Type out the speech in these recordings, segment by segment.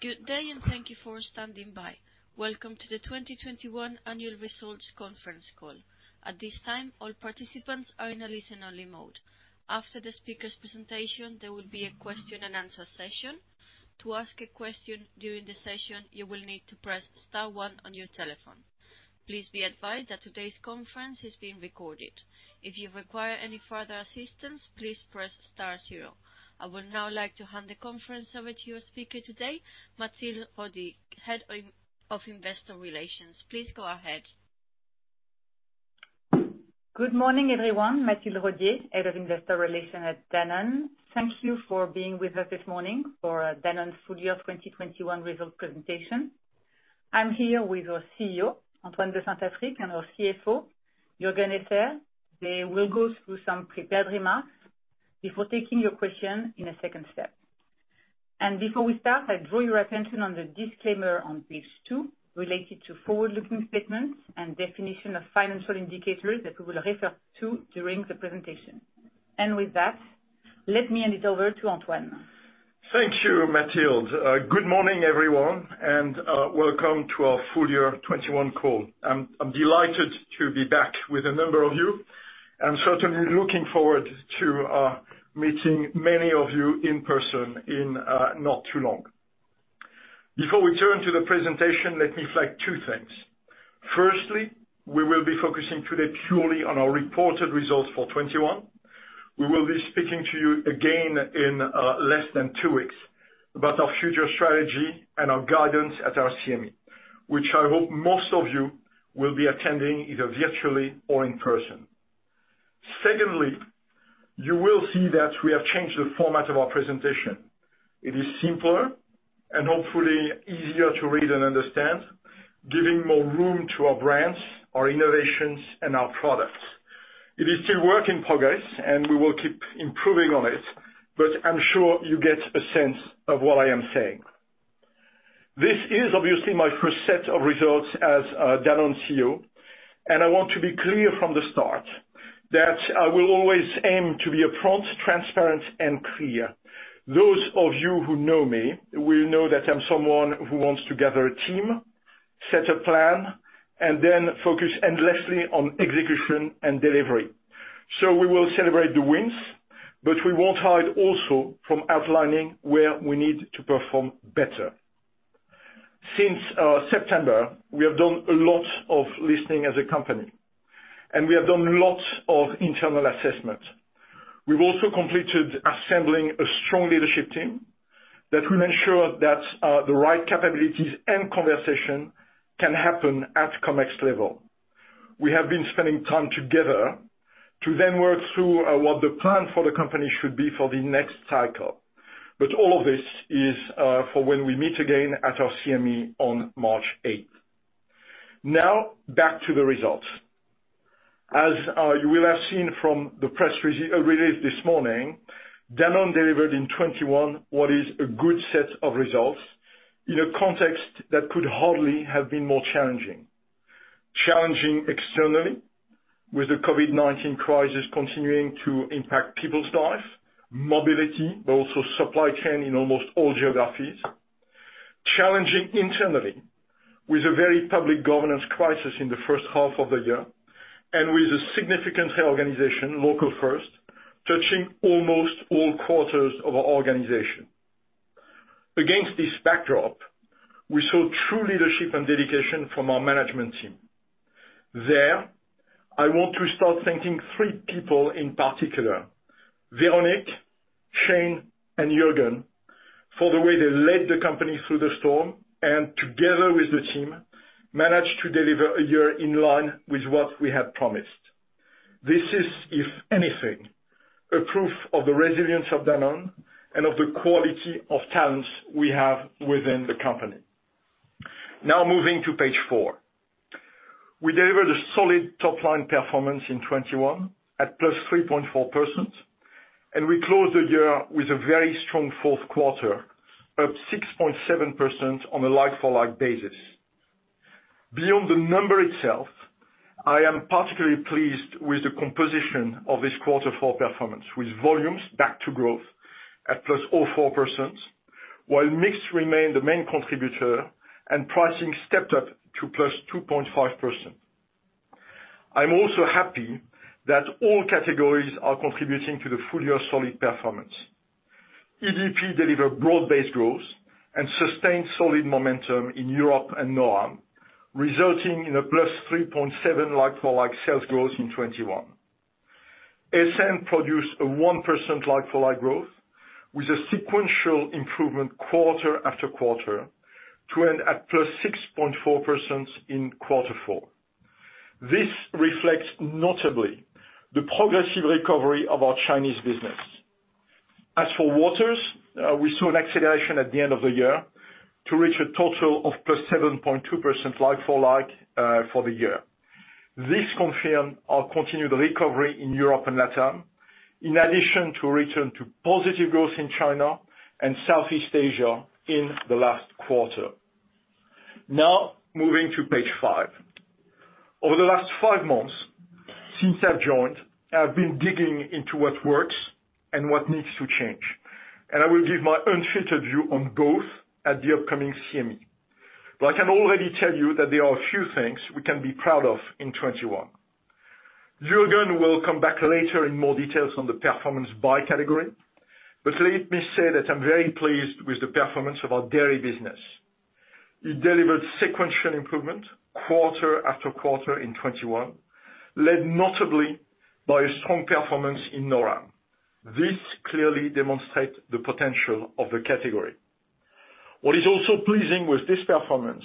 Good day, and thank you for standing by. Welcome to the 2021 annual results conference call. At this time, all participants are in a listen-only mode. After the speaker's presentation, there will be a question and answer session. To ask a question during the session, you will need to press star one on your telephone. Please be advised that today's conference is being recorded. If you require any further assistance, please press star zero. I would now like to hand the conference over to your speaker today, Mathilde Rodier, Head of Investor Relations. Please go ahead. Good morning, everyone. Mathilde Rodier, Head of Investor Relations at Danone. Thank you for being with us this morning for Danone's full year 2021 results presentation. I'm here with our CEO, Antoine de Saint-Affrique, and our CFO, Juergen Esser. They will go through some prepared remarks before taking your question in a second step. Before we start, I draw your attention on the disclaimer on page 2 related to forward-looking statements and definition of financial indicators that we will refer to during the presentation. With that, let me hand it over to Antoine. Thank you, Mathilde. Good morning, everyone, and welcome to our full year 2021 call. I'm delighted to be back with a number of you and certainly looking forward to meeting many of you in person in not too long. Before we turn to the presentation, let me flag two things. Firstly, we will be focusing today purely on our reported results for 2021. We will be speaking to you again in less than two weeks about our future strategy and our guidance at our CMD, which I hope most of you will be attending either virtually or in person. Secondly, you will see that we have changed the format of our presentation. It is simpler and hopefully easier to read and understand, giving more room to our brands, our innovations, and our products. It is still work in progress, and we will keep improving on it, but I'm sure you get a sense of what I am saying. This is obviously my first set of results as Danone CEO, and I want to be clear from the start that I will always aim to be upfront, transparent, and clear. Those of you who know me will know that I'm someone who wants to gather a team, set a plan, and then focus endlessly on execution and delivery. We will celebrate the wins, but we won't hide also from outlining where we need to perform better. Since September, we have done a lot of listening as a company, and we have done lots of internal assessments. We've also completed assembling a strong leadership team that will ensure that the right capabilities and conversation can happen at COMEX level. We have been spending time together to then work through what the plan for the company should be for the next cycle. All of this is for when we meet again at our CMD on March 8. Now back to the results. As you will have seen from the press release this morning, Danone delivered in 2021 what is a good set of results in a context that could hardly have been more challenging. Challenging externally with the COVID-19 crisis continuing to impact people's lives, mobility, but also supply chain in almost all geographies. Challenging internally with a very public governance crisis in the first half of the year and with a significant reorganization, Local First, touching almost all quarters of our organization. Against this backdrop, we saw true leadership and dedication from our management team. There, I want to start thanking three people in particular, Véronique, Shane, and Juergen, for the way they led the company through the storm and together with the team, managed to deliver a year in line with what we had promised. This is, if anything, a proof of the resilience of Danone and of the quality of talents we have within the company. Now moving to page 4. We delivered a solid top-line performance in 2021 at +3.4%, and we closed the year with a very strong fourth quarter, up 6.7% on a like-for-like basis. Beyond the number itself, I am particularly pleased with the composition of this quarter four performance, with volumes back to growth at +0.4%, while mix remained the main contributor and pricing stepped up to +2.5%. I'm also happy that all categories are contributing to the full year solid performance. EDP delivered broad-based growth and sustained solid momentum in Europe and NOAM, resulting in a +3.7% like-for-like sales growth in 2021. SN produced a 1% like-for-like growth with a sequential improvement quarter after quarter to end at +6.4% in quarter four. This reflects notably the progressive recovery of our Chinese business. As for waters, we saw an acceleration at the end of the year to reach a total of +7.2% like-for-like for the year. This confirms our continued recovery in Europe and LatAm, in addition to a return to positive growth in China and Southeast Asia in the last quarter. Now moving to page five. Over the last five months since I've joined, I've been digging into what works and what needs to change, and I will give my unfiltered view on both at the upcoming CMD. I can already tell you that there are a few things we can be proud of in 2021. Juergen will come back later in more details on the performance by category. Let me say that I'm very pleased with the performance of our dairy business. It delivered sequential improvement quarter after quarter in 2021, led notably by a strong performance in Noram. This clearly demonstrates the potential of the category. What is also pleasing with this performance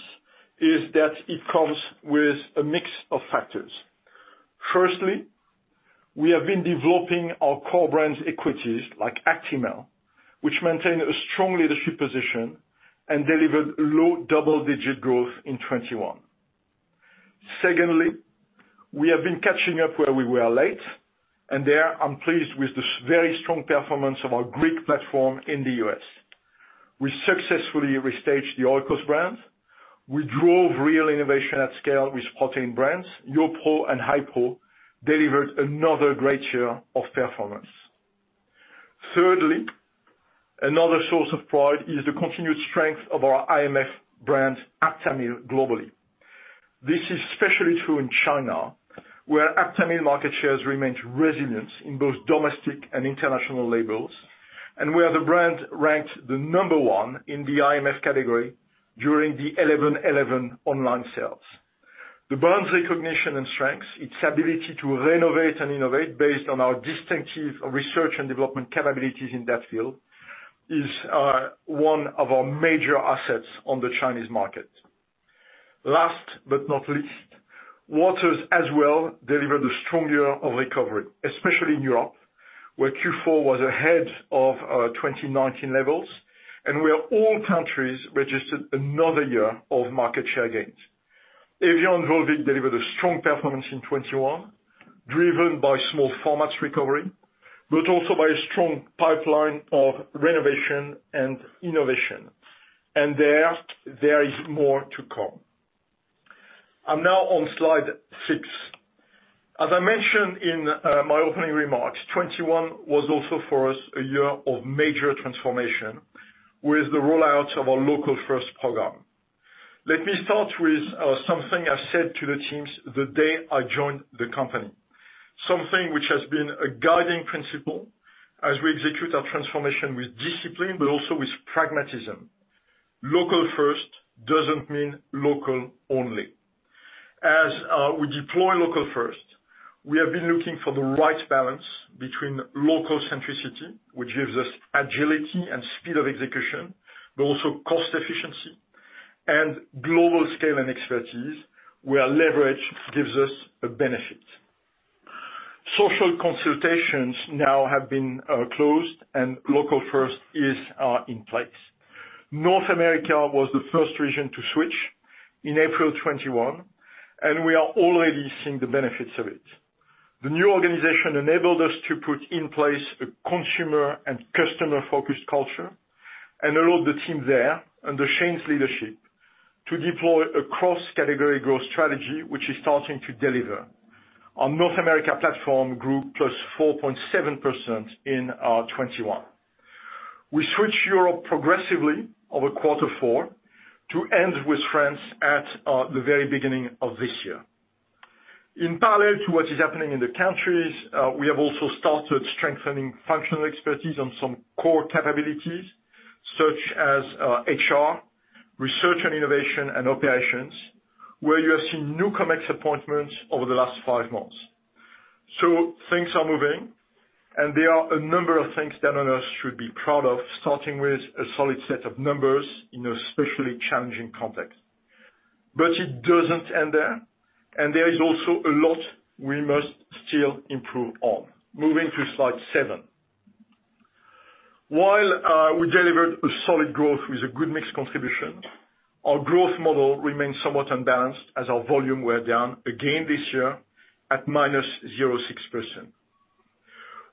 is that it comes with a mix of factors. Firstly, we have been developing our core brands equities like Actimel, which maintain a strong leadership position and delivered low double-digit growth in 2021. Secondly, we have been catching up where we were late, and there I'm pleased with the very strong performance of our Greek platform in the US. We successfully restaged the Oikos brand. We drove real innovation at scale with protein brands. YoPRO and HiPRO delivered another great year of performance. Thirdly, another source of pride is the continued strength of our IMF brand, Aptamil, globally. This is especially true in China, where Aptamil market shares remained resilient in both domestic and international labels, and where the brand ranked number one in the IMF category during the 11.11 online sales. The brand's recognition and strengths, its ability to renovate and innovate based on our distinctive research and development capabilities in that field is one of our major assets on the Chinese market. Last but not least, Waters as well delivered a strong year of recovery, especially in Europe, where Q4 was ahead of 2019 levels, and where all countries registered another year of market share gains. Evian/Volvic delivered a strong performance in 2021, driven by small formats recovery, but also by a strong pipeline of renovation and innovation. There is more to come. I'm now on slide 6. As I mentioned in my opening remarks, 2021 was also for us a year of major transformation with the rollout of our Local First program. Let me start with something I said to the teams the day I joined the company, something which has been a guiding principle as we execute our transformation with discipline, but also with pragmatism. Local First doesn't mean local only. As we deploy Local First, we have been looking for the right balance between local centricity, which gives us agility and speed of execution, but also cost efficiency and global scale and expertise where leverage gives us a benefit. Social consultations now have been closed and Local First is in place. North America was the first region to switch in April 2021, and we are already seeing the benefits of it. The new organization enabled us to put in place a consumer and customer-focused culture and allowed the team there, under Shane's leadership, to deploy a cross-category growth strategy, which is starting to deliver. Our North America platform grew +4.7% in 2021. We switched Europe progressively over quarter four to end with France at the very beginning of this year. In parallel to what is happening in the countries, we have also started strengthening functional expertise on some core capabilities such as HR, research and innovation, and operations, where you have seen new COMEX appointments over the last 5 months. Things are moving, and there are a number of things Danone should be proud of, starting with a solid set of numbers in an especially challenging context. It doesn't end there, and there is also a lot we must still improve on. Moving to slide 7. While we delivered a solid growth with a good mix contribution, our growth model remains somewhat unbalanced as our volume were down again this year at -0.6%.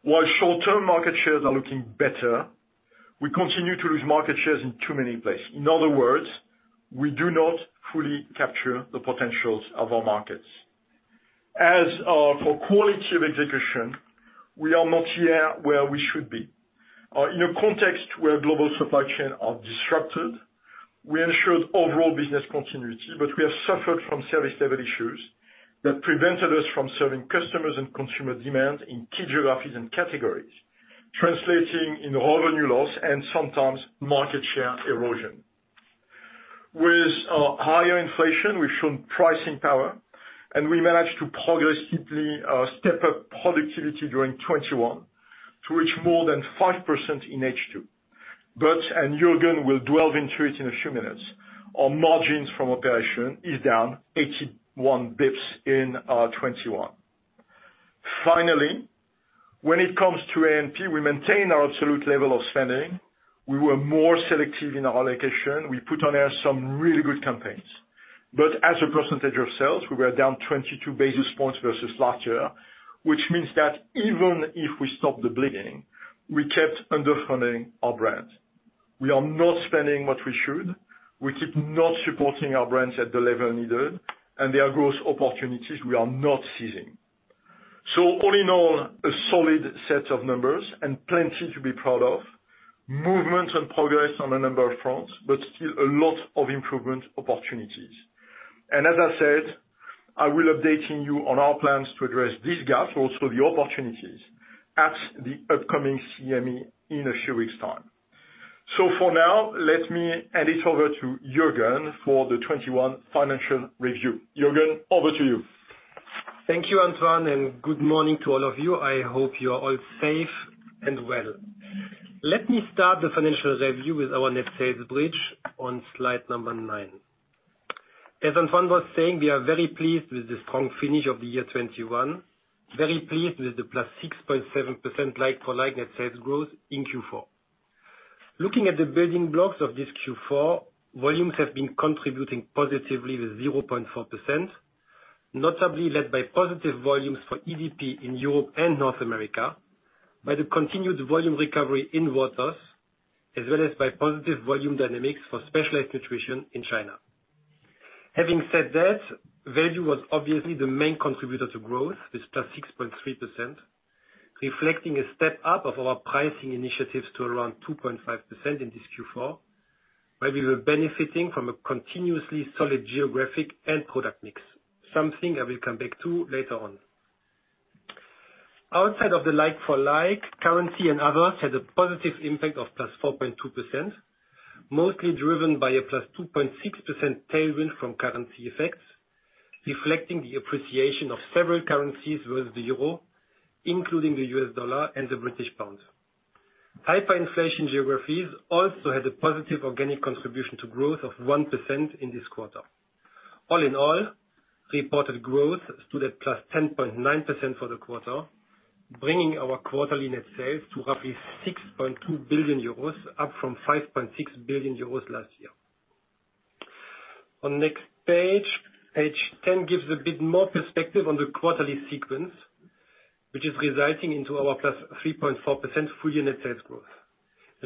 While short-term market shares are looking better, we continue to lose market shares in too many places. In other words, we do not fully capture the potentials of our markets. As for quality of execution, we are not yet where we should be. In a context where global supply chain are disrupted, we ensured overall business continuity, but we have suffered from service level issues that prevented us from serving customers and consumer demand in key geographies and categories, translating in revenue loss and sometimes market share erosion. With higher inflation, we've shown pricing power, and we managed to progressively step up productivity during 2021 to reach more than 5% in H2. And Juergen will delve into it in a few minutes, our operating margins is down 81 basis points in 2021. Finally, when it comes to A&P, we maintain our absolute level of spending. We were more selective in our allocation. We put on air some really good campaigns. As a percentage of sales, we were down 22 basis points versus last year, which means that even if we stopped the bleeding, we kept underfunding our brand. We are not spending what we should, we keep not supporting our brands at the level needed, and there are growth opportunities we are not seizing. All in all, a solid set of numbers and plenty to be proud of. Movement and progress on a number of fronts, but still a lot of improvement opportunities. As I said, I will updating you on our plans to address these gaps, also the opportunities at the upcoming CMD in a few weeks' time. For now, let me hand it over to Juergen for the 2021 financial review. Juergen, over to you. Thank you, Antoine, and good morning to all of you. I hope you are all safe and well. Let me start the financial review with our net sales bridge on slide number 9. As Antoine was saying, we are very pleased with the strong finish of the year 2021. Very pleased with the +6.7% like-for-like net sales growth in Q4. Looking at the building blocks of this Q4, volumes have been contributing positively with 0.4%, notably led by positive volumes for EDP in Europe and North America, by the continued volume recovery in Waters, as well as by positive volume dynamics for specialized nutrition in China. Having said that, value was obviously the main contributor to growth with +6.3%, reflecting a step up of our pricing initiatives to around 2.5% in this Q4, where we were benefiting from a continuously solid geographic end product mix, something I will come back to later on. Outside of the like-for-like, currency and others had a positive impact of +4.2%, mostly driven by a +2.6% tailwind from currency effects, reflecting the appreciation of several currencies with the euro, including the U.S. dollar and the British pound. Hyperinflation geographies also had a positive organic contribution to growth of 1% in this quarter. All in all, reported growth stood at +10.9% for the quarter, bringing our quarterly net sales to roughly 6.2 billion euros, up from 5.6 billion euros last year. On next page ten gives a bit more perspective on the quarterly sequence, which is resulting into our +3.4% full year net sales growth.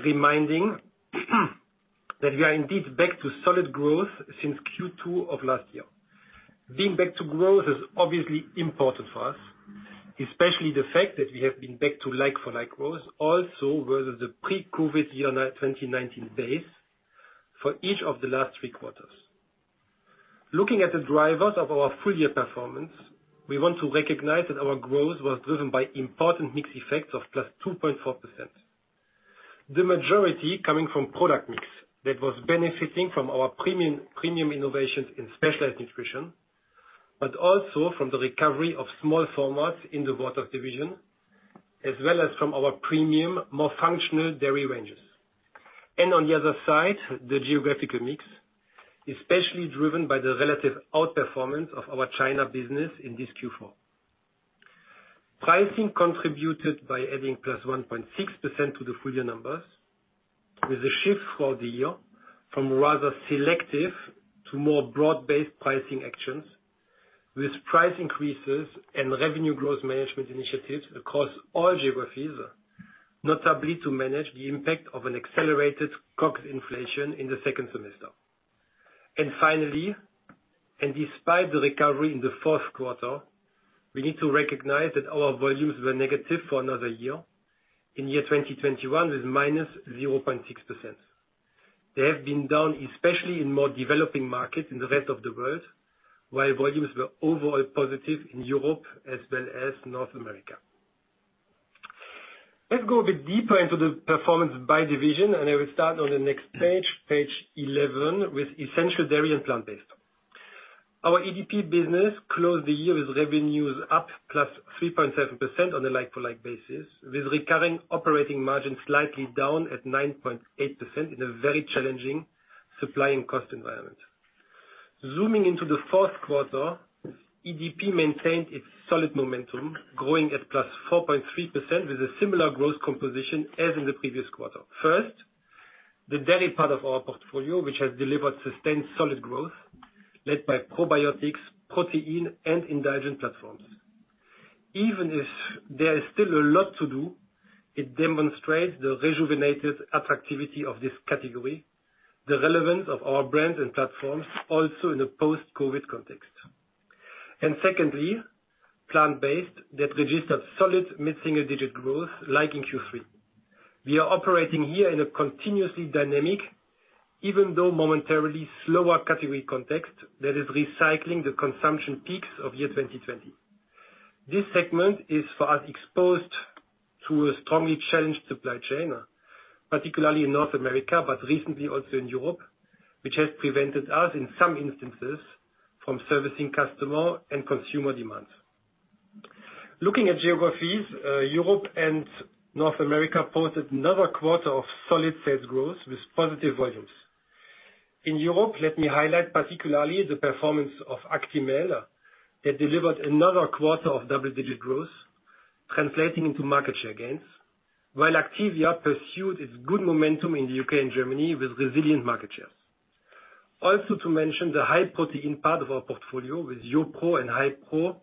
Reminding that we are indeed back to solid growth since Q2 of last year. Being back to growth is obviously important for us, especially the fact that we have been back to like-for-like growth also with the pre-COVID year 2019 base for each of the last three quarters. Looking at the drivers of our full year performance, we want to recognize that our growth was driven by important mix effects of +2.4%. The majority coming from product mix that was benefiting from our premium innovations in specialized nutrition, but also from the recovery of small formats in the water division, as well as from our premium, more functional dairy ranges. On the other side, the geographical mix, especially driven by the relative outperformance of our China business in this Q4. Pricing contributed by adding +1.6% to the full year numbers with a shift for the year from rather selective to more broad-based pricing actions, with price increases and revenue growth management initiatives across all geographies, notably to manage the impact of an accelerated COGS inflation in the second semester. Finally, and despite the recovery in the fourth quarter, we need to recognize that our volumes were negative for another year. In year 2021, it was -0.6%. They have been down, especially in more developing markets in the rest of the world, while volumes were overall positive in Europe as well as North America. Let's go a bit deeper into the performance by division, and I will start on the next page 11, with Essential Dairy and Plant-based. Our EDP business closed the year with revenues up +3.7% on a like-for-like basis, with recovering operating margin slightly down at 9.8% in a very challenging supply and cost environment. Zooming into the fourth quarter, EDP maintained its solid momentum, growing at +4.3% with a similar growth composition as in the previous quarter. First, the dairy part of our portfolio, which has delivered sustained solid growth led by probiotics, protein, and indulgent platforms. Even if there is still a lot to do, it demonstrates the rejuvenated attractivity of this category, the relevance of our brand and platforms also in a post-COVID context. Secondly, plant-based that registered solid mid-single-digit growth like in Q3. We are operating here in a continuously dynamic, even though momentarily slower category context that is recycling the consumption peaks of year 2020. This segment is fairly exposed to a strongly challenged supply chain, particularly in North America, but recently also in Europe, which has prevented us, in some instances, from servicing customer and consumer demands. Looking at geographies, Europe and North America posted another quarter of solid sales growth with positive volumes. In Europe, let me highlight particularly the performance of Actimel that delivered another quarter of double-digit growth. Translating into market share gains, while Activia pursued its good momentum in the U.K. and Germany with resilient market shares. Also to mention the high protein part of our portfolio with YoPRO and HiPRO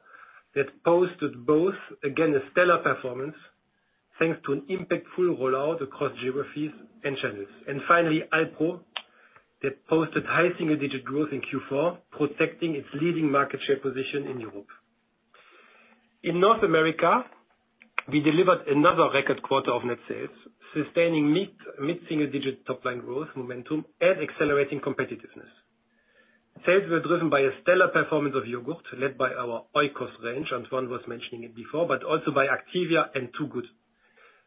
that posted both, again, a stellar performance, thanks to an impactful rollout across geographies and channels. Finally, Alpro, that posted high single-digit growth in Q4, protecting its leading market share position in Europe. In North America, we delivered another record quarter of net sales, sustaining mid-single-digit top line growth momentum and accelerating competitiveness. Sales were driven by a stellar performance of yogurt led by our Oikos range, Antoine was mentioning it before, but also by Activia and Two Good,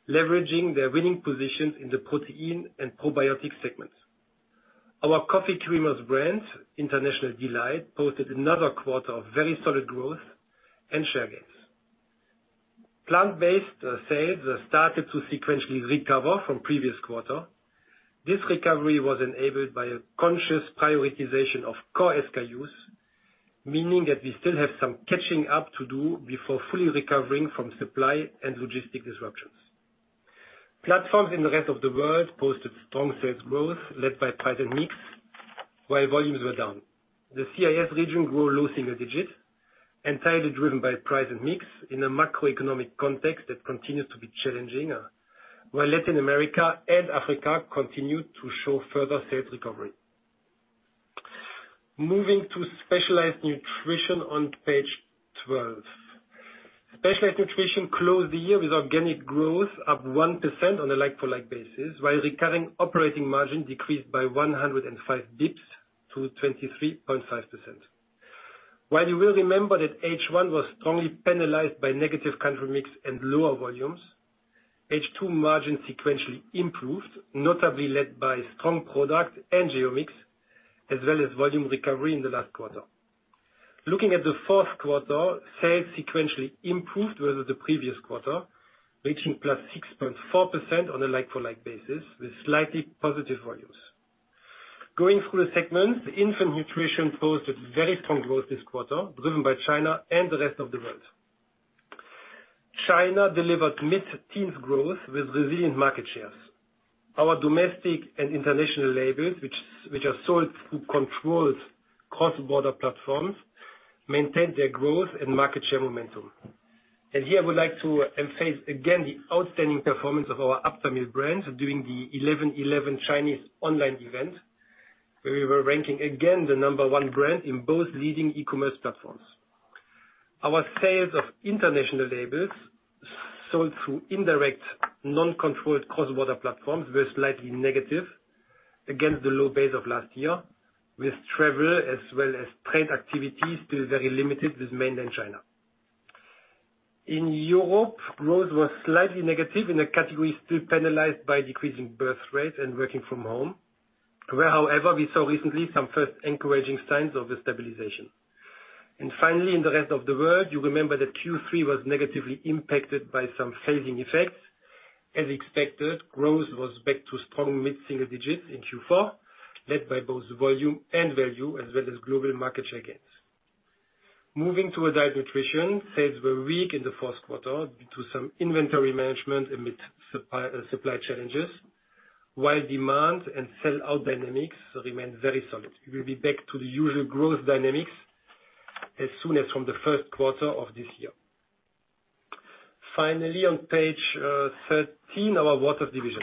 leveraging their winning positions in the protein and probiotic segments. Our coffee creamers brand, International Delight, posted another quarter of very solid growth and share gains. Plant-based sales have started to sequentially recover from previous quarter. This recovery was enabled by a conscious prioritization of core SKUs, meaning that we still have some catching up to do before fully recovering from supply and logistic disruptions. Platforms in the rest of the world posted strong sales growth led by price mix, while volumes were down. The CIS region grew low single digit, entirely driven by price and mix in a macroeconomic context that continued to be challenging, while Latin America and Africa continued to show further sales recovery. Moving to Specialized Nutrition on page 12. Specialized Nutrition closed the year with organic growth of 1% on a like-for-like basis, while recurring operating margin decreased by 105 basis points to 23.5%. While you will remember that H1 was strongly penalized by negative country mix and lower volumes, H2 margin sequentially improved, notably led by strong product and geo mix, as well as volume recovery in the last quarter. Looking at the fourth quarter, sales sequentially improved over the previous quarter, reaching +6.4% on a like-for-like basis, with slightly positive volumes. Going through the segments, the infant nutrition posted very strong growth this quarter, driven by China and the rest of the world. China delivered mid-teens growth with resilient market shares. Our domestic and international labels, which are sold through controlled cross-border platforms, maintained their growth and market share momentum. Here I would like to emphasize again the outstanding performance of our Aptamil brand during the 11.11 Chinese online event, where we were ranking again the number one brand in both leading e-commerce platforms. Our sales of international labels sold through indirect non-controlled cross-border platforms were slightly negative against the low base of last year, with travel as well as trade activities still very limited with mainland China. In Europe, growth was slightly negative in a category still penalized by decreasing birth rates and working from home, where however, we saw recently some first encouraging signs of a stabilization. Finally, in the rest of the world, you remember that Q3 was negatively impacted by some phasing effects. As expected, growth was back to strong mid-single digits in Q4, led by both volume and value, as well as global market share gains. Moving to Adult Nutrition, sales were weak in the fourth quarter due to some inventory management amid supply challenges, while demand and sell out dynamics remained very solid. We will be back to the usual growth dynamics as soon as from the first quarter of this year. Finally, on page thirteen, our Waters division.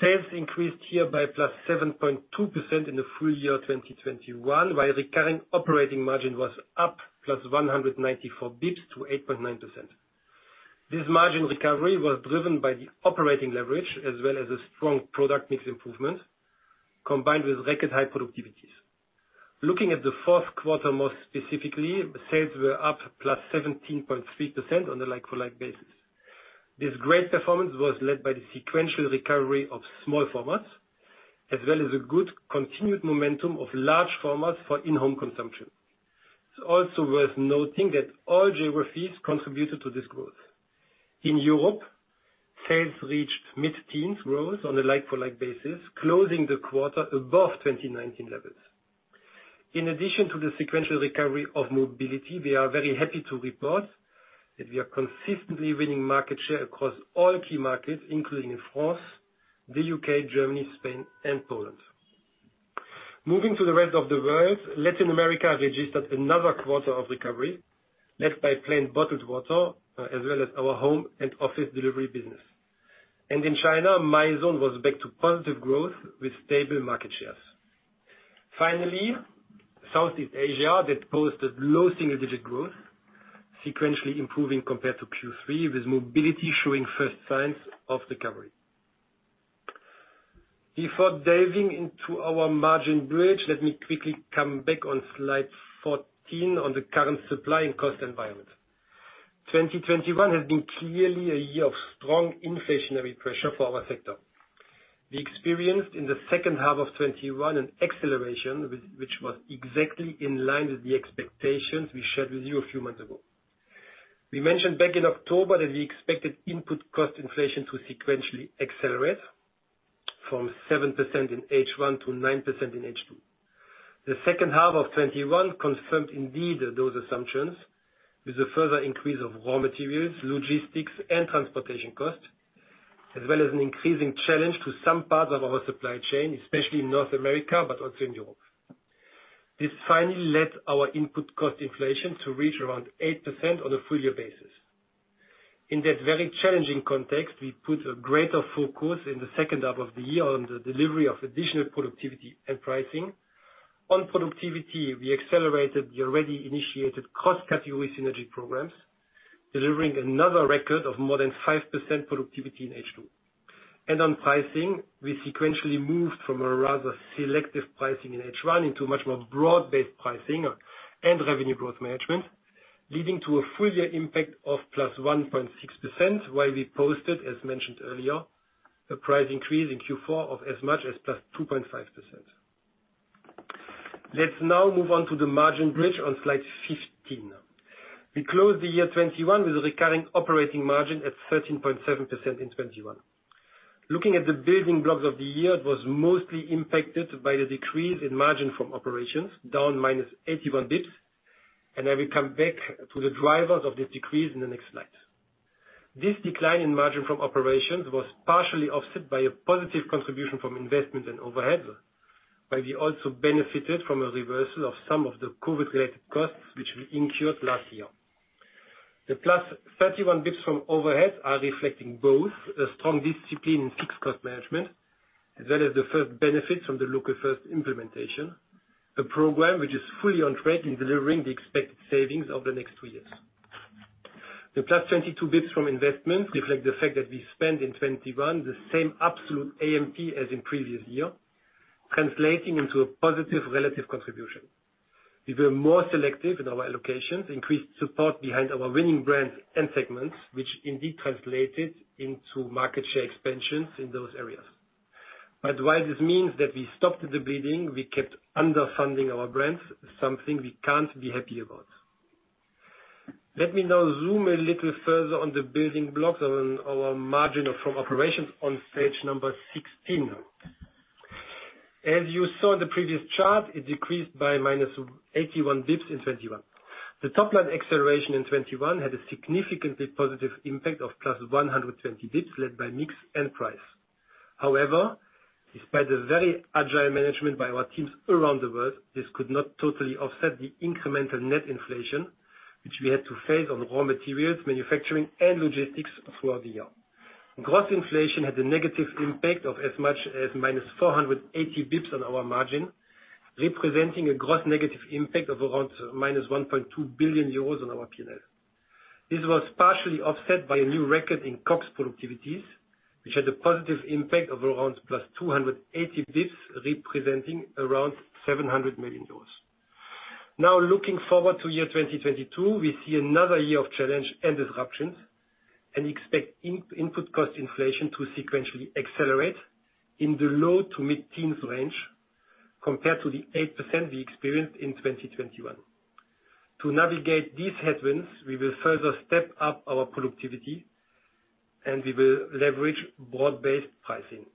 Sales increased here by +7.2% in the full year 2021, while the current operating margin was up +194 basis points to 8.9%. This margin recovery was driven by the operating leverage as well as a strong product mix improvement combined with record high productivities. Looking at the fourth quarter, more specifically, sales were up +17.3% on the like-for-like basis. This great performance was led by the sequential recovery of small formats as well as a good continued momentum of large formats for in-home consumption. It's also worth noting that all geographies contributed to this growth. In Europe, sales reached mid-teens% growth on a like-for-like basis, closing the quarter above 2019 levels. In addition to the sequential recovery of mobility, we are very happy to report that we are consistently winning market share across all key markets, including France, the U.K., Germany, Spain, and Poland. Moving to the rest of the world, Latin America registered another quarter of recovery led by plain bottled water, as well as our home and office delivery business. In China, Mizone was back to positive growth with stable market shares. Finally, Southeast Asia that posted low single-digit% growth, sequentially improving compared to Q3, with mobility showing first signs of recovery. Before delving into our margin bridge, let me quickly come back on slide 14 on the current supply and cost environment. 2021 has been clearly a year of strong inflationary pressure for our sector. We experienced in the second half of 2021 an acceleration which was exactly in line with the expectations we shared with you a few months ago. We mentioned back in October that we expected input cost inflation to sequentially accelerate. From 7% in H1 to 9% in H2. The second half of 2021 confirmed indeed those assumptions with a further increase of raw materials, logistics and transportation costs, as well as an increasing challenge to some parts of our supply chain, especially in North America, but also in Europe. This finally led our input cost inflation to reach around 8% on a full year basis. In that very challenging context, we put a greater focus in the second half of the year on the delivery of additional productivity and pricing. On productivity, we accelerated the already initiated cost category synergy programs, delivering another record of more than 5% productivity in H2. On pricing, we sequentially moved from a rather selective pricing in H1 into a much more broad-based pricing and revenue growth management, leading to a full year impact of +1.6%, while we posted, as mentioned earlier, a price increase in Q4 of as much as +2.5%. Let's now move on to the margin bridge on slide 15. We closed the year 2021 with a recurring operating margin at 13.7% in 2021. Looking at the building blocks of the year, it was mostly impacted by the decrease in margin from operations, down -81 basis points, and I will come back to the drivers of this decrease in the next slide. This decline in margin from operations was partially offset by a positive contribution from investment and overhead, while we also benefited from a reversal of some of the COVID-related costs which we incurred last year. The plus 31 basis points from overhead are reflecting both a strong discipline in fixed cost management as well as the first benefits from the Local First implementation, a program which is fully on track in delivering the expected savings over the next two years. The plus 22 basis points from investment reflect the fact that we spent in 2021 the same absolute A&M as in previous year, translating into a positive relative contribution. We were more selective in our allocations, increased support behind our winning brands and segments, which indeed translated into market share expansions in those areas. While this means that we stopped the bleeding, we kept underfunding our brands, something we can't be happy about. Let me now zoom a little further on the building blocks on our margin from operations on page 16. As you saw in the previous chart, it decreased by -81 basis points in 2021. The top-line acceleration in 2021 had a significantly positive impact of +120 basis points led by mix and price. However, despite the very agile management by our teams around the world, this could not totally offset the incremental net inflation, which we had to face on raw materials, manufacturing, and logistics throughout the year. Gross inflation had a negative impact of as much as -480 basis points on our margin, representing a gross negative impact of around -1.2 billion euros on our P&L. This was partially offset by a new record in COGS productivities, which had a positive impact of around +280 basis points, representing around 700 million euros. Now, looking forward to 2022, we see another year of challenge and disruptions, and expect input cost inflation to sequentially accelerate in the low to mid-teens range compared to the 8% we experienced in 2021. To navigate these headwinds, we will further step up our productivity and we will leverage broad-based pricing.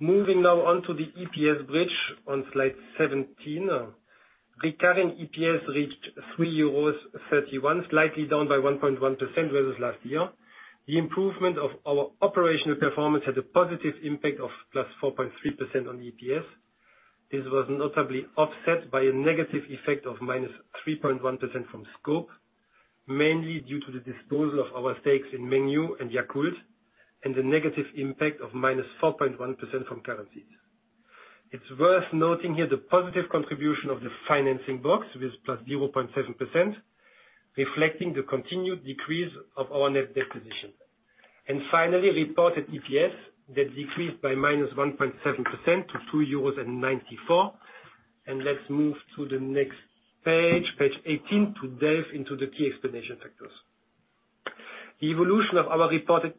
Moving now on to the EPS bridge on slide 17. Recurrent EPS reached 3.31 euros, slightly down by 1.1% versus last year. The improvement of our operational performance had a positive impact of +4.3% on EPS. This was notably offset by a negative effect of -3.1% from scope, mainly due to the disposal of our stakes in Mengniu and Yakult and the negative impact of -4.1% from currencies. It's worth noting here the positive contribution of the financing box with +0.7%, reflecting the continued decrease of our net debt position. Finally, reported EPS that decreased by -1.7% to 2.94 euros. Let's move to the next page 18, to dive into the key explanation factors. The evolution of our reported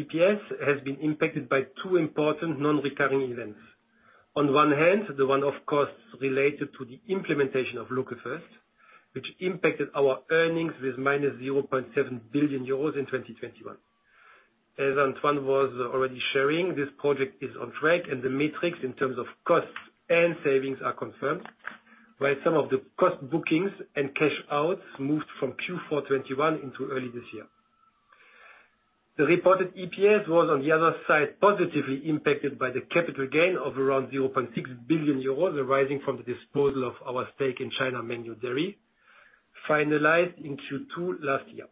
EPS has been impacted by two important non-recurring events. On one hand, the one-off costs related to the implementation of Local First, which impacted our earnings with -0.7 billion euros in 2021. As Antoine was already sharing, this project is on track, and the metrics in terms of costs and savings are confirmed, while some of the cost bookings and cash outs moved from Q4 2021 into early this year. The reported EPS was, on the other side, positively impacted by the capital gain of around 0.6 billion euros arising from the disposal of our stake in China Mengniu Dairy, finalized in Q2 last year.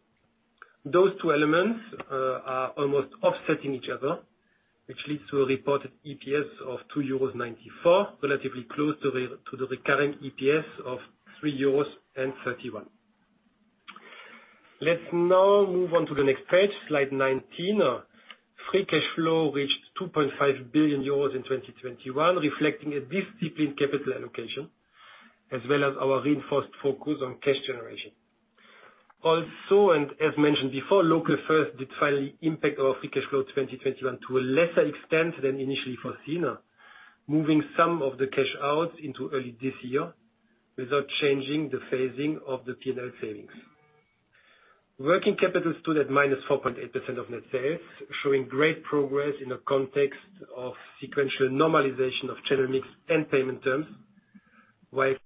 Those two elements are almost offsetting each other, which leads to a reported EPS of 2.94 euros, relatively close to the recurring EPS of 3.31 euros. Let's now move on to the next page, slide 19. Free cash flow reached 2.5 billion euros in 2021, reflecting a disciplined capital allocation, as well as our reinforced focus on cash generation. As mentioned before, Local First did finally impact our free cash flow 2021 to a lesser extent than initially foreseen, moving some of the cash outs into early this year without changing the phasing of the P&L savings. Working capital stood at -4.8% of net sales, showing great progress in the context of sequential normalization of channel mix and payment terms. While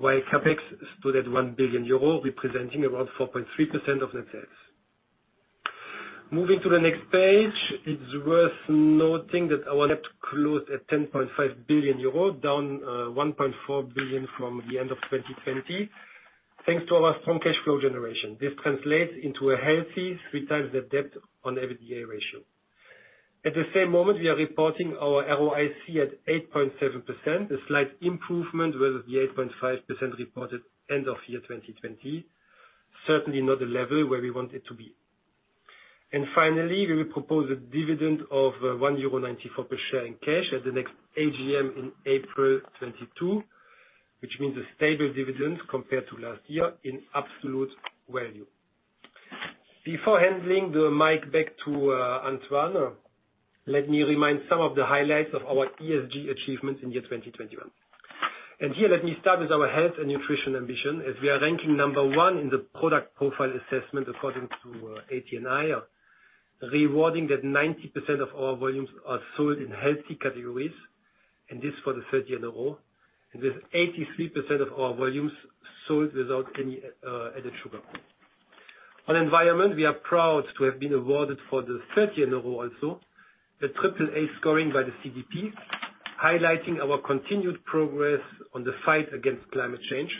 CapEx stood at 1 billion euro, representing around 4.3% of net sales. Moving to the next page, it's worth noting that our net closed at 10.5 billion euro, down one point four billion from the end of 2020. Thanks to our strong cash flow generation. This translates into a healthy 3x the debt on EBITDA ratio. At the same moment, we are reporting our ROIC at 8.7%, a slight improvement with the 8.5% reported end of year 2020. Certainly not the level where we want it to be. Finally, we will propose a dividend of 1.94 euro per share in cash at the next AGM in April 2022, which means a stable dividend compared to last year in absolute value. Before handing the mic back to Antoine, let me remind some of the highlights of our ESG achievements in the year 2021. Here, let me start with our health and nutrition ambition, as we are ranking 1 in the product profile assessment according to ATNI, rewarding that 90% of our volumes are sold in healthy categories, and this for the 3rd year in a row, and with 83% of our volumes sold without any added sugar. On environment, we are proud to have been awarded for the 3rd year in a row also, the triple A scoring by the CDP, highlighting our continued progress on the fight against climate change,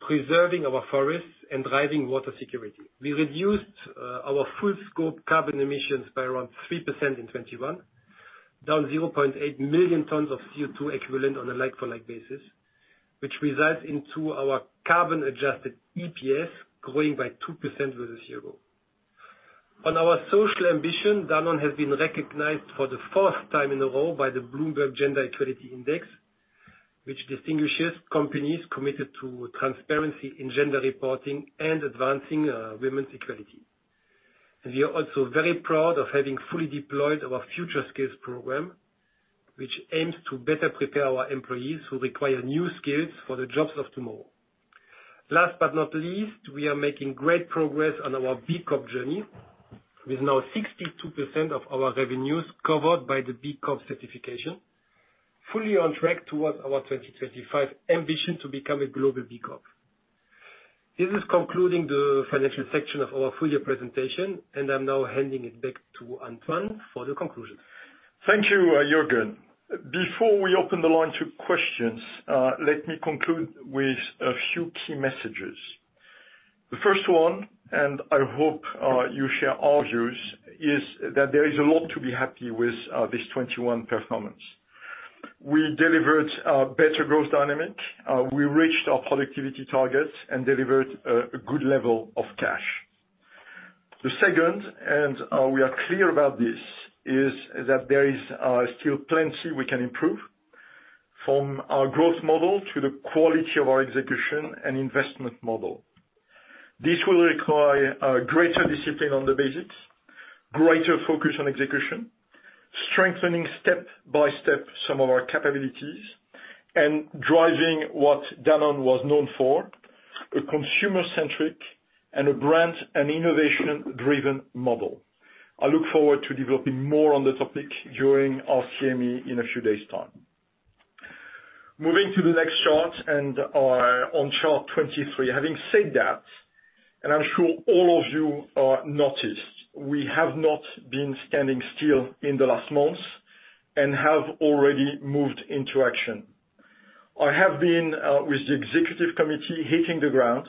preserving our forests and driving water security. We reduced our full scope carbon emissions by around 3% in 2021, down 0.8 million tons of CO2 equivalent on a like-for-like basis, which results into our carbon-adjusted EPS growing by 2% versus the year ago. On our social ambition, Danone has been recognized for the fourth time in a row by the Bloomberg Gender-Equality Index, which distinguishes companies committed to transparency in gender reporting and advancing women's equality. We are also very proud of having fully deployed our Future Skills program, which aims to better prepare our employees who require new skills for the jobs of tomorrow. Last but not least, we are making great progress on our B Corp journey, with now 62% of our revenues covered by the B Corp certification, fully on track towards our 2025 ambition to become a global B Corp. This is concluding the financial section of our full year presentation, and I'm now handing it back to Antoine for the conclusion. Thank you, Juergen. Before we open the line to questions, let me conclude with a few key messages. The first one, and I hope you share our views, is that there is a lot to be happy with, this 2021 performance. We delivered better growth dynamic, we reached our productivity targets and delivered a good level of cash. The second, and we are clear about this, is that there is still plenty we can improve, from our growth model to the quality of our execution and investment model. This will require greater discipline on the basics, greater focus on execution, strengthening step by step some of our capabilities, and driving what Danone was known for, a consumer-centric and a brand and innovation-driven model. I look forward to developing more on the topic during our CMD in a few days' time. Moving to the next chart and on chart 23. Having said that, I'm sure all of you have noticed, we have not been standing still in the last months and have already moved into action. I have been with the executive committee hitting the ground,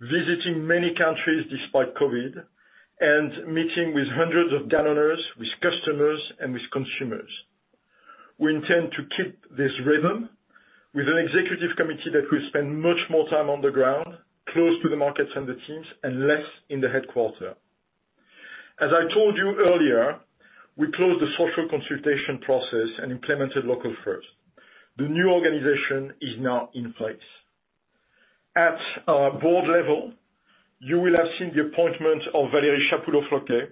visiting many countries despite COVID, and meeting with hundreds of Danoners, with customers, and with consumers. We intend to keep this rhythm with an executive committee that will spend much more time on the ground, close to the markets and the teams, and less in the headquarters. As I told you earlier, we closed the social consultation process and implemented Local First. The new organization is now in place. At our board level, you will have seen the appointment of Valérie Chapoulaud-Floquet,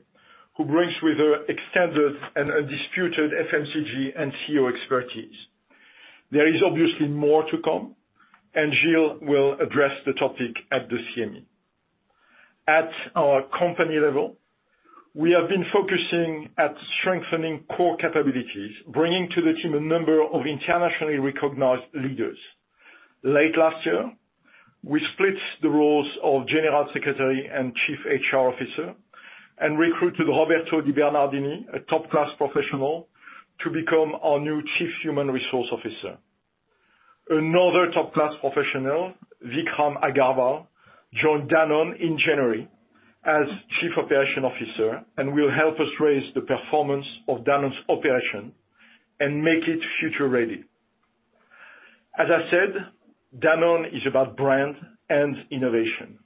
who brings with her extended and undisputed FMCG and CEO expertise. There is obviously more to come, and Gilles will address the topic at the CMD. At our company level, we have been focusing at strengthening core capabilities, bringing to the team a number of internationally recognized leaders. Late last year, we split the roles of General Secretary and Chief HR Officer and recruited Roberto Di Bernardini, a top-class professional, to become our new Chief Human Resources Officer. Another top-class professional, Vikram Agarwal, joined Danone in January as Chief Operations Officer and will help us raise the performance of Danone's operation and make it future-ready. As I said, Danone is about brand and innovation.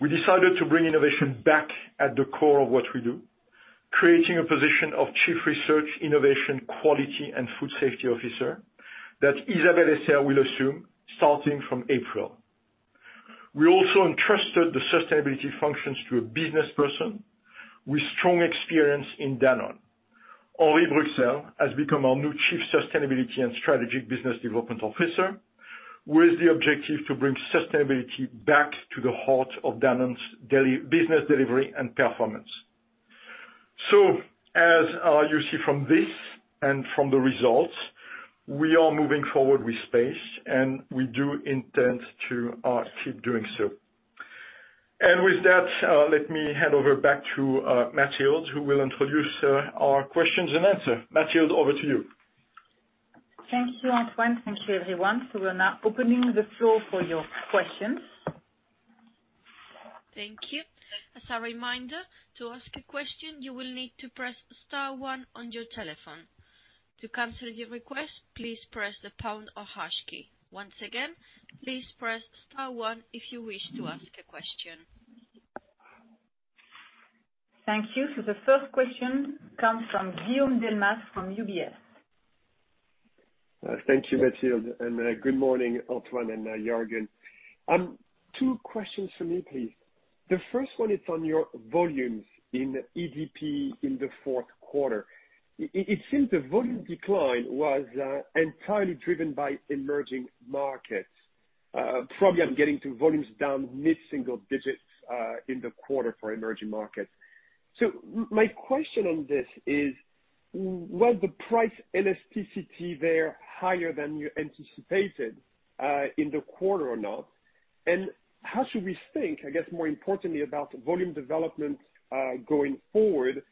We decided to bring innovation back at the core of what we do, creating a position of Chief Research, Innovation, Quality, and Food Safety Officer that Isabelle Esser will assume starting from April. We also entrusted the sustainability functions to a business person with strong experience in Danone. Henri Bruxelles has become our new Chief Sustainability and Strategic Business Development Officer, with the objective to bring sustainability back to the heart of Danone's daily business delivery and performance. You see from this and from the results, we are moving forward with pace, and we do intend to keep doing so. With that, let me hand over back to Mathilde, who will introduce our Q&A. Mathilde, over to you. Thank you, Antoine. Thank you, everyone. We're now opening the floor for your questions. Thank you. As a reminder, to ask a question, you will need to press star one on your telephone. To cancel your request, please press the pound or hash key. Once again, please press star one if you wish to ask a question. Thank you. The first question comes from Guillaume Delmas from UBS. Thank you, Mathilde, and good morning, Antoine and Juergen. Two questions from me, please. The first one is on your volumes in EDP in the fourth quarter. It seems the volume decline was entirely driven by emerging markets. Probably, I'm guessing volumes down mid-single digits in the quarter for emerging markets. My question on this is, was the price elasticity there higher than you anticipated in the quarter or not? And how should we think, I guess more importantly, about volume development going forward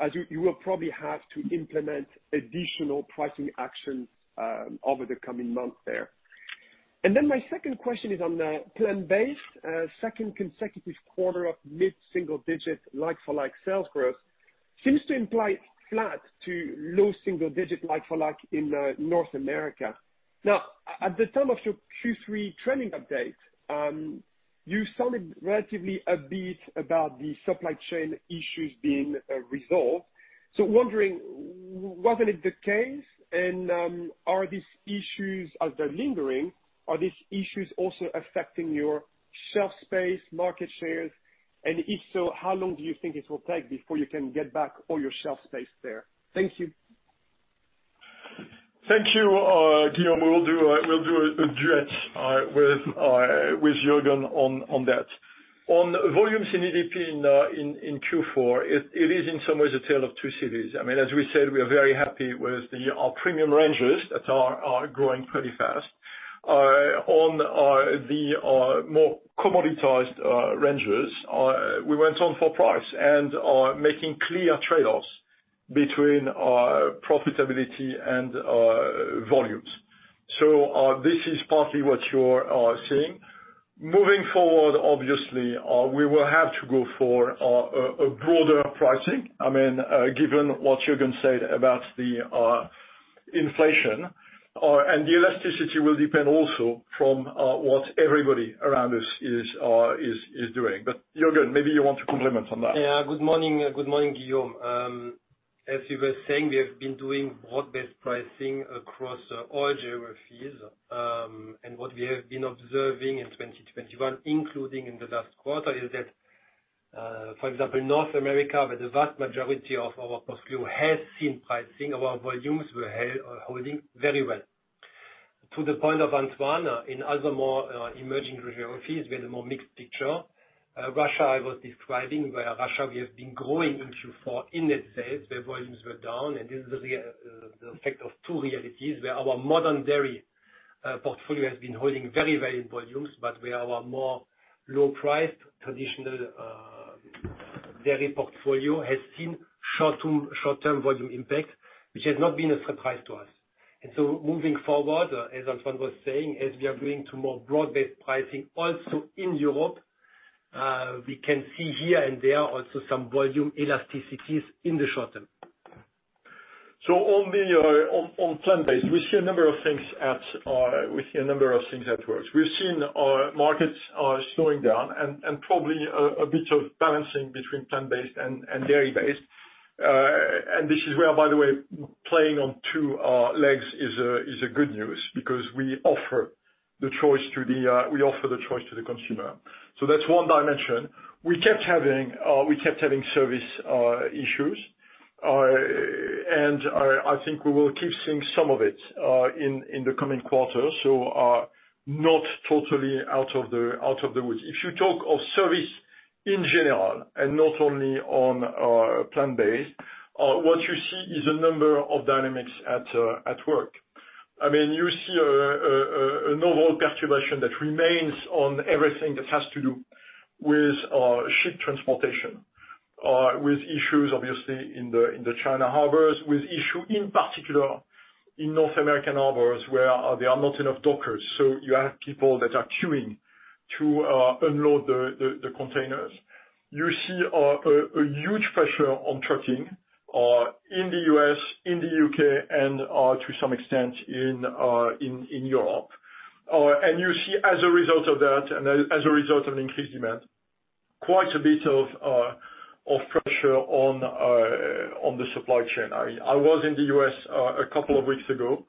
as you will probably have to implement additional pricing action over the coming months there. My second question is on the plant-based. Second consecutive quarter of mid-single digit like-for-like sales growth seems to imply flat to low single digit like for like in North America. Now, at the time of your Q3 trending update, you sounded relatively upbeat about the supply chain issues being resolved. Wondering, wasn't it the case? Are these issues lingering? Are these issues also affecting your shelf space, market shares? If so, how long do you think it will take before you can get back all your shelf space there? Thank you. Thank you, Guillaume. We'll do a duet with Juergen on that. On volumes in EDP in Q4, it is in some ways a tale of two cities. I mean, as we said, we are very happy with our premium ranges that are growing pretty fast. On the more commoditized ranges, we went for price and making clear trade-offs between profitability and volumes. So, this is partly what you're seeing. Moving forward, obviously, we will have to go for a broader pricing. I mean, given what Juergen said about the inflation. And the elasticity will depend also on what everybody around us is doing. Juergen, maybe you want to comment on that. Yeah, good morning. Good morning, Guillaume. As we were saying, we have been doing broad-based pricing across all geographies. What we have been observing in 2021, including in the last quarter, is that, for example, North America, where the vast majority of our portfolio has seen pricing, our volumes were holding very well. To the point of Antoine, in other more emerging geographies, we had a more mixed picture. Russia, I was describing, where in Russia we have been growing in Q4 in itself, where volumes were down. This is the effect of two realities, where our modern dairy portfolio has been holding very varied volumes, but where our more low price, traditional dairy portfolio has seen short-term volume impact, which has not been a surprise to us. Moving forward, as Antoine was saying, as we are moving to more broad-based pricing also in Europe, we can see here and there also some volume elasticities in the short term. On plant-based, we see a number of things at work. We've seen our markets slowing down and probably a bit of balancing between plant-based and dairy-based. This is where, by the way, playing on two legs is good news because we offer the choice to the consumer. That's one dimension. We kept having service issues. I think we will keep seeing some of it in the coming quarters. Not totally out of the woods. If you talk of service in general and not only on plant-based, what you see is a number of dynamics at work. I mean, you see a novel perturbation that remains on everything that has to do with ship transportation, with issues obviously in the Chinese harbors, with issues in particular in North American harbors where there are not enough dockers. You have people that are queuing to unload the containers. You see a huge pressure on trucking in the U.S., in the U.K. and to some extent in Europe. You see as a result of that and as a result of increased demand, quite a bit of pressure on the supply chain. I was in the U.S. a couple of weeks ago.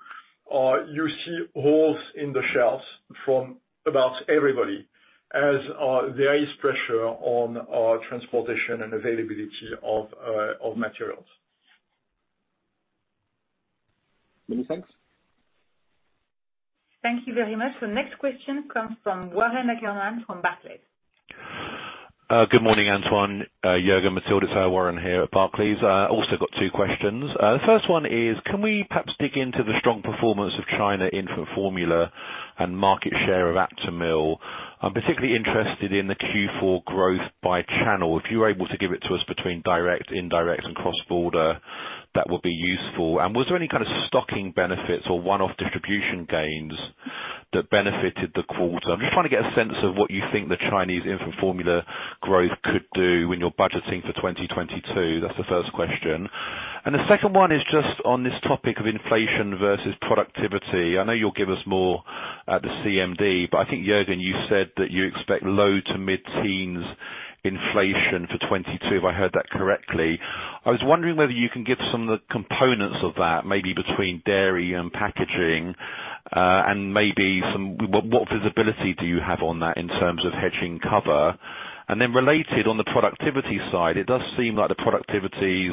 You see holes in the shelves from about everybody as there is pressure on transportation and availability of materials. Many thanks. Thank you very much. The next question comes from Warren Ackerman from Barclays. Good morning, Antoine, Juergen, Mathilde. It's Warren here at Barclays. Also got two questions. The first one is can we perhaps dig into the strong performance of China infant formula and market share of Aptamil? I'm particularly interested in the Q4 growth by channel. If you were able to give it to us between direct, indirect and cross-border, that would be useful. Was there any kind of stocking benefits or one-off distribution gains that benefited the quarter? I'm just trying to get a sense of what you think the Chinese infant formula growth could do when you're budgeting for 2022. That's the first question. The second one is just on this topic of inflation versus productivity. I know you'll give us more at the CMD, but I think, Juergen, you said that you expect low- to mid-teens inflation for 2022, if I heard that correctly. I was wondering whether you can give some of the components of that, maybe between dairy and packaging, and what visibility do you have on that in terms of hedging cover? Related, on the productivity side, it does seem like the productivity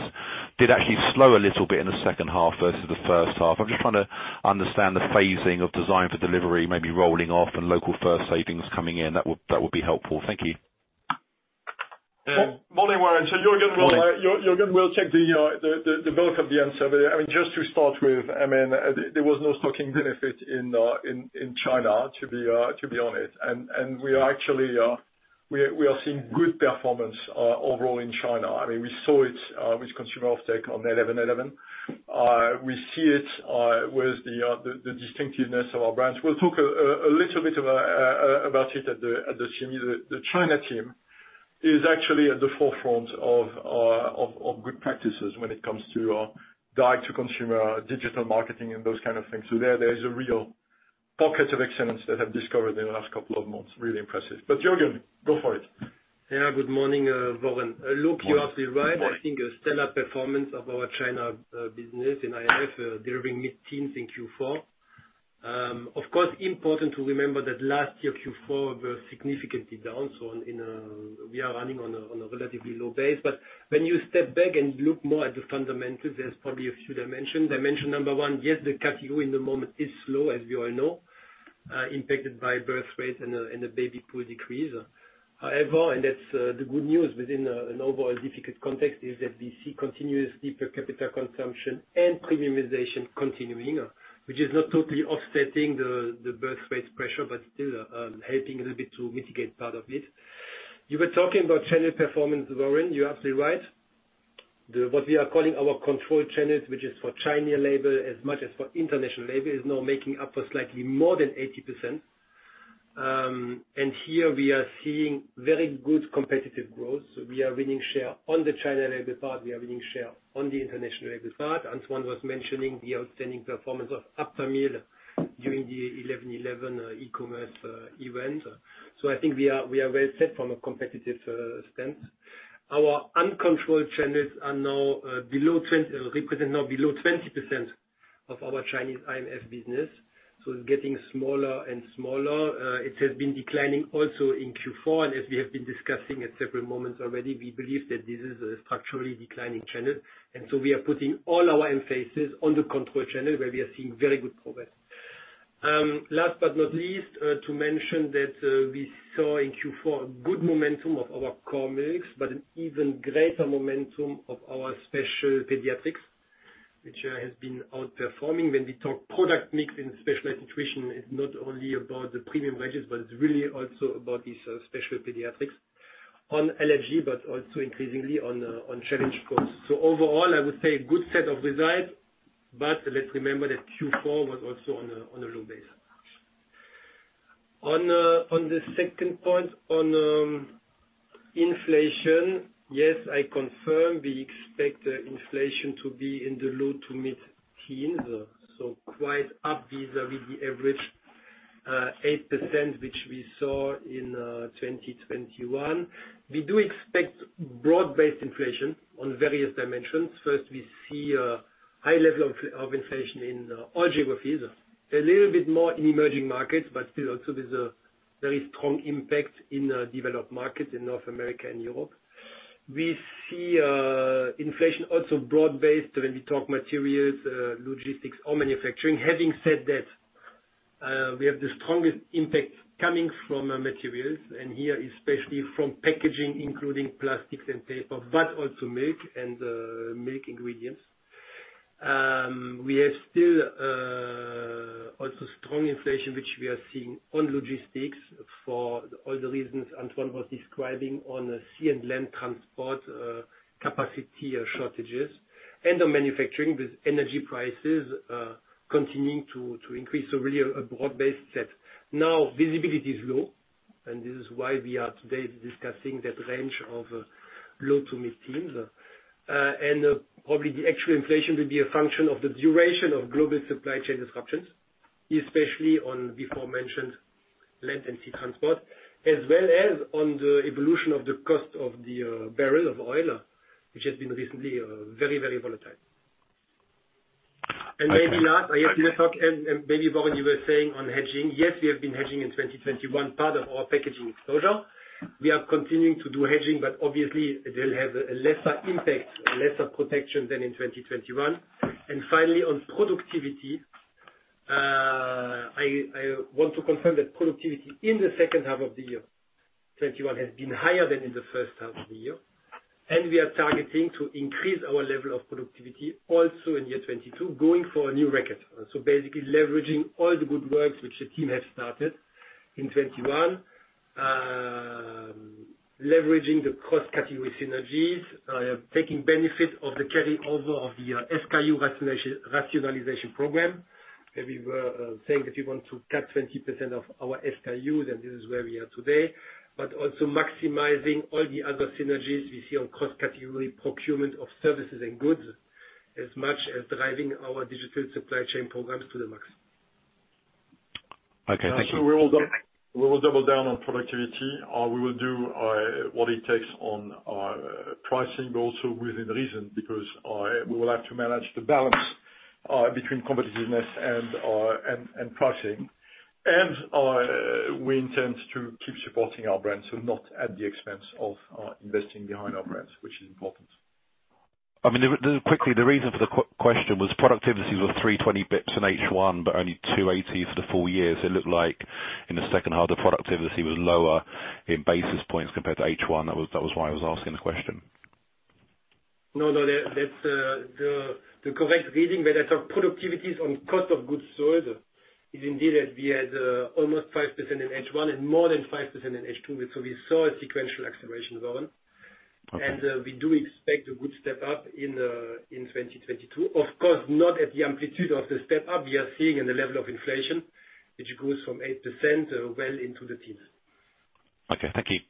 did actually slow a little bit in the second half versus the first half. I'm just trying to understand the phasing of design for delivery, maybe rolling off and Local First savings coming in. That would be helpful. Thank you. Morning, Warren. Juergen will, Morning. Juergen will check the bulk of the answer there. I mean, just to start with, I mean, there was no stocking benefit in China, to be honest. We are actually seeing good performance overall in China. I mean, we saw it with consumer offtake on 11.11. We see it with the distinctiveness of our brands. We'll talk a little bit about it at the CMD. The China team is actually at the forefront of good practices when it comes to direct-to-consumer digital marketing and those kind of things. There is a real pocket of excellence that we've discovered in the last couple of months. Really impressive. Juergen, go for it. Yeah, good morning, Warren. Morning. Look, you are right. I think a stellar performance of our China business in IF during mid-teens in Q4. Of course important to remember that last year Q4 was significantly down, so we are running on a relatively low base. When you step back and look more at the fundamentals, there's probably a few dimensions. Dimension number one, yes, the category in the moment is slow, as we all know, impacted by birth rates and the baby pool decrease. However, that's the good news within an overall difficult context is that we see continuous deep per capita consumption and premiumization continuing, which is not totally offsetting the birth rate pressure, but still, helping a little bit to mitigate part of it. You were talking about China performance, Warren, you're absolutely right. What we are calling our controlled channels, which is for China label as much as for international label, is now making up for slightly more than 80%. Here we are seeing very good competitive growth. We are winning share on the China label part, we are winning share on the international label part. Antoine was mentioning the outstanding performance of Aptamil during the 11.11 e-commerce event. I think we are well set from a competitive stance. Our uncontrolled channels now represent below 20% of our Chinese IMF business, so it's getting smaller and smaller. It has been declining also in Q4, and as we have been discussing at several moments already, we believe that this is a structurally declining channel, and so we are putting all our emphasis on the controlled channel where we are seeing very good progress. Last but not least, to mention that we saw in Q4 a good momentum of our core milks, but an even greater momentum of our special pediatrics, which has been outperforming. When we talk product mix in specialized nutrition, it's not only about the premium ranges, but it's really also about these special pediatrics on allergy, but also increasingly on challenged growth. So overall, I would say a good set of results, but let's remember that Q4 was also on a low base. On the second point on inflation. Yes, I confirm we expect inflation to be in the low- to mid-teens %, so quite up vis-à-vis the average 8% which we saw in 2021. We do expect broad-based inflation on various dimensions. First, we see a high level of inflation in all geographies, a little bit more in emerging markets, but still also there's a very strong impact in developed markets in North America and Europe. We see inflation also broad-based when we talk materials, logistics or manufacturing. Having said that, we have the strongest impact coming from materials, and here, especially from packaging, including plastics and paper, but also milk and milk ingredients. We have still also strong inflation, which we are seeing on logistics for all the reasons Antoine was describing on sea and land transport, capacity shortages and on manufacturing with energy prices continuing to increase. Really a broad-based set. Now, visibility is low, and this is why we are today discussing that range of low to mid-teens. Probably the actual inflation will be a function of the duration of global supply chain disruptions, especially on before-mentioned land and sea transport, as well as on the evolution of the cost of the barrel of oil, which has been recently very, very volatile. Okay. Maybe not, I guess in the talk and maybe Warren, you were saying on hedging. Yes, we have been hedging in 2021 part of our packaging exposure. We are continuing to do hedging, but obviously it will have a lesser impact, lesser protection than in 2021. Finally, on productivity, I want to confirm that productivity in the second half of the year 2021 has been higher than in the first half of the year. We are targeting to increase our level of productivity also in year 2022, going for a new record. Basically leveraging all the good works which the team has started in 2021. Leveraging the cost category synergies, taking benefit of the carryover of the SKU rationalization program. We were saying that we want to cut 20% of our SKUs, and this is where we are today, also maximizing all the other synergies we see on cost category procurement of services and goods, as much as driving our digital supply chain programs to the max. Okay, thank you. We will double down on productivity. We will do what it takes on pricing, but also within reason because we will have to manage the balance between competitiveness and pricing. We intend to keep supporting our brands, so not at the expense of investing behind our brands, which is important. I mean, quickly, the reason for the question was productivity was 320 basis points in H1, but only 280 for the full year. It looked like in the second half, the productivity was lower in basis points compared to H1. That was why I was asking the question. No, that's the correct reading, where I talk productivities on cost of goods sold is indeed that we had almost 5% in H1 and more than 5% in H2. We saw a sequential acceleration going. Okay. We do expect a good step up in 2022. Of course, not at the amplitude of the step up we are seeing in the level of inflation, which goes from 8%, well into the teens. Okay, thank you.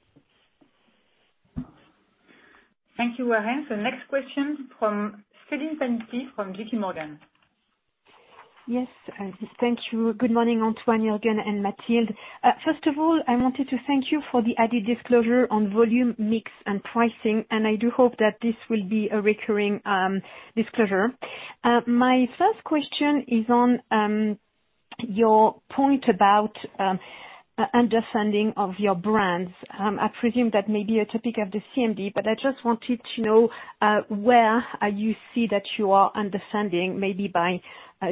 Thank you, Warren. The next question from Celine Pannuti from JPMorgan. Yes, thank you. Good morning, Antoine, Juergen, and Mathilde. First of all, I wanted to thank you for the added disclosure on volume mix and pricing, and I do hope that this will be a recurring disclosure. My first question is on your point about understanding of your brands. I presume that may be a topic of the CMD, but I just wanted to know where you see that you are understanding maybe by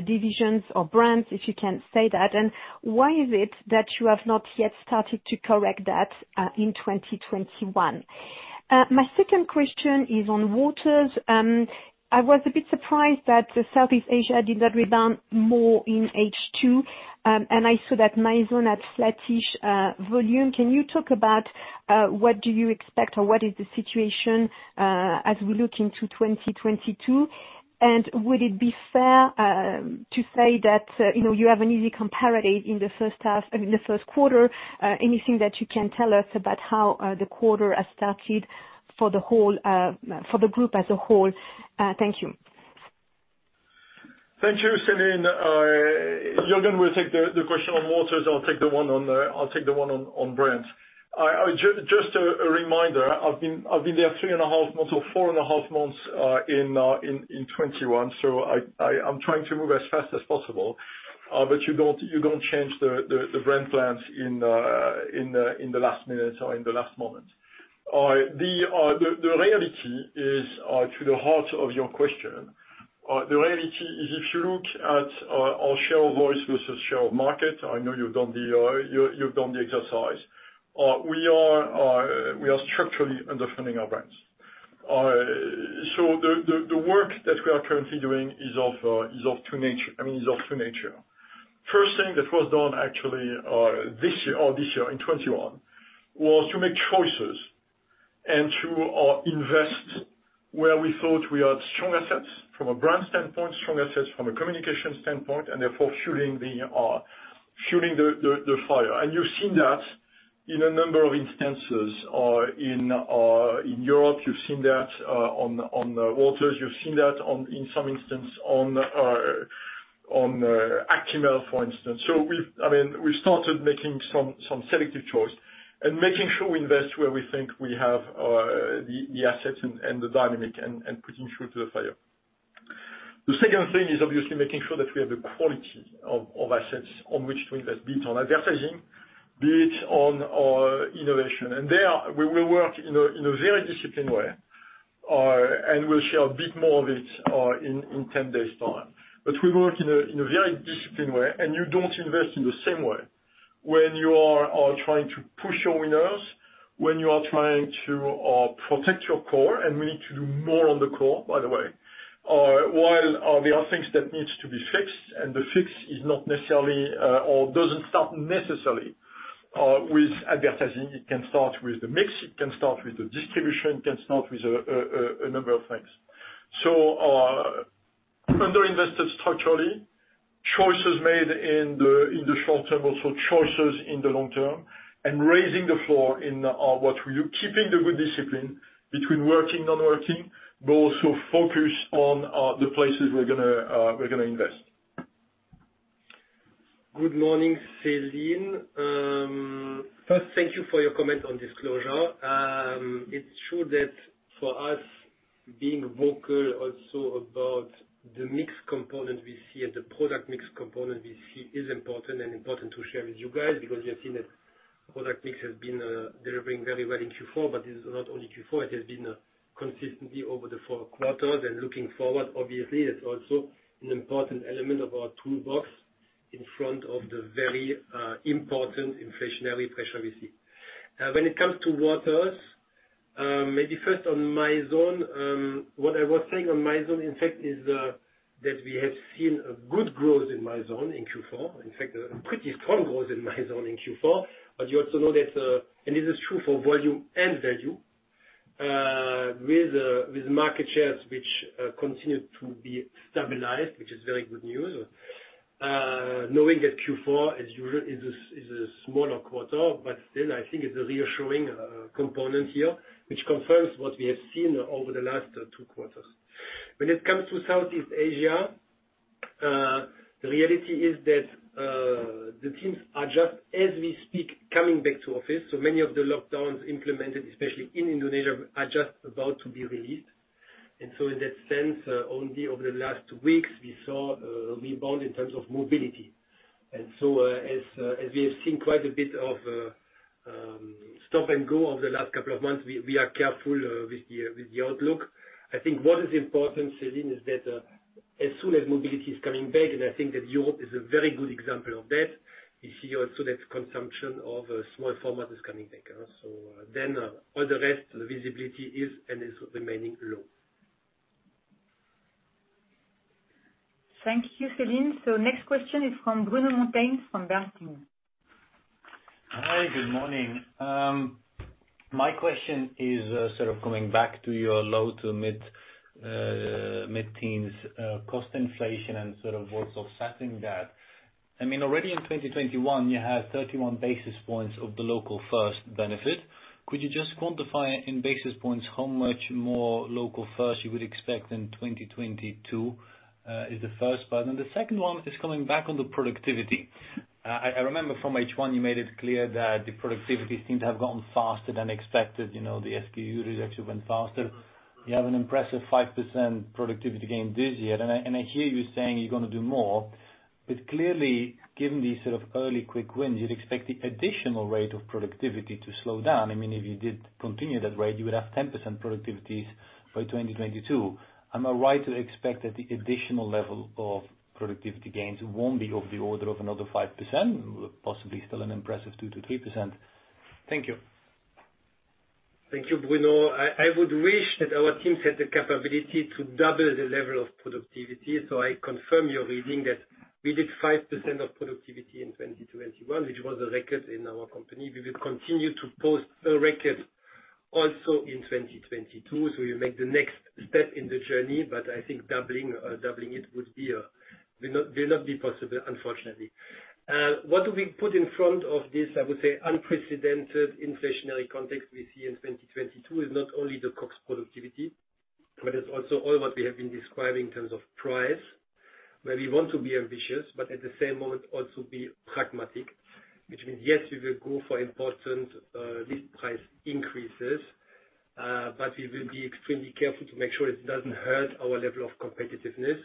divisions or brands, if you can say that. Why is it that you have not yet started to correct that in 2021? My second question is on waters. I was a bit surprised that Southeast Asia did not rebound more in H2. I saw that Mizone had flattish volume. Can you talk about what do you expect or what is the situation as we look into 2022? Would it be fair to say that, you know, you have an easy comparable in the first half, I mean, the first quarter? Anything that you can tell us about how the quarter has started for the group as a whole? Thank you. Thank you, Celine. Juergen will take the question on waters. I'll take the one on brands. Just a reminder. I've been there three and a half months or four and a half months in 2021, so I'm trying to move as fast as possible. You don't change the brand plans in the last minute or in the last moment. The reality is, to the heart of your question, the reality is if you look at our share of voice versus share of market. I know you've done the exercise. We are structurally underfunding our brands. The work that we are currently doing is of two natures, I mean. First thing that was done actually this year in 2021 was to make choices and to invest where we thought we had strong assets from a brand standpoint, strong assets from a communication standpoint, and therefore stoking the fire. You've seen that in a number of instances in Europe. You've seen that on waters. You've seen that on, in some instances, on Actimel, for instance. I mean, we started making some selective choices and making sure we invest where we think we have the assets and the dynamics and putting fuel to the fire. The second thing is obviously making sure that we have the quality of assets on which to invest, be it on advertising, be it on innovation. There we will work in a very disciplined way, and we'll share a bit more of it in 10 days' time. We work in a very disciplined way, and you don't invest in the same way when you are trying to push your winners, when you are trying to protect your core, and we need to do more on the core, by the way. While there are things that needs to be fixed, and the fix is not necessarily or doesn't start necessarily with advertising. It can start with the mix, it can start with the distribution, it can start with a number of things. Underinvested structurally, choices made in the short term, also choices in the long term. Keeping the good discipline between working, not working, but also focus on the places we're gonna invest. Good morning, Celine. First, thank you for your comment on disclosure. It's true that for us, being vocal also about the mix component we see and the product mix component we see is important to share with you guys because you have seen that product mix has been delivering very well in Q4. This is not only Q4, it has been consistently over the four quarters. Looking forward, obviously, that's also an important element of our toolbox in front of the very important inflationary pressure we see. When it comes to waters, maybe first on Mizone. What I was saying on Mizone, in fact, is that we have seen a good growth in Mizone in Q4. In fact, a pretty strong growth in Mizone in Q4. You also know that, and this is true for volume and value, with market shares which continue to be stabilized, which is very good news. Knowing that Q4 is a smaller quarter, but still I think it's a reassuring component here, which confirms what we have seen over the last two quarters. When it comes to Southeast Asia, the reality is that the teams are just, as we speak, coming back to office. So many of the lockdowns implemented, especially in Indonesia, are just about to be released. In that sense, only over the last weeks we saw a rebound in terms of mobility. As we have seen quite a bit of stop and go over the last couple of months, we are careful with the outlook. I think what is important, Celine, is that as soon as mobility is coming back, and I think that Europe is a very good example of that, you see also that consumption of small format is coming back. All the rest, the visibility is remaining low. Thank you, Celine. Next question is from Bruno Monteyne from Bernstein. Hi, good morning. My question is sort of coming back to your low to mid-teens cost inflation and sort of what's offsetting that. I mean, already in 2021 you had 31 basis points of the Local First benefit. Could you just quantify in basis points how much more Local First you would expect in 2022? Is the first part. The second one is coming back on the productivity. I remember from H1 you made it clear that the productivity seems to have gone faster than expected. You know, the SKU reduction went faster. You have an impressive 5% productivity gain this year. And I hear you saying you're gonna do more. But clearly, given these sort of early quick wins, you'd expect the additional rate of productivity to slow down. I mean, if you did continue that rate, you would have 10% productivities by 2022. Am I right to expect that the additional level of productivity gains won't be of the order of another 5%, possibly still an impressive 2%-3%? Thank you. Thank you, Bruno. I would wish that our teams had the capability to double the level of productivity. I confirm your reading that we did 5% of productivity in 2021, which was a record in our company. We will continue to post a record also in 2022, we'll make the next step in the journey. I think doubling it will not be possible, unfortunately. What do we put in front of this, I would say, unprecedented inflationary context we see in 2022 is not only the COGS productivity, but it's also all what we have been describing in terms of price. Where we want to be ambitious, but at the same moment also be pragmatic. Which means, yes, we will go for important list price increases, but we will be extremely careful to make sure it doesn't hurt our level of competitiveness.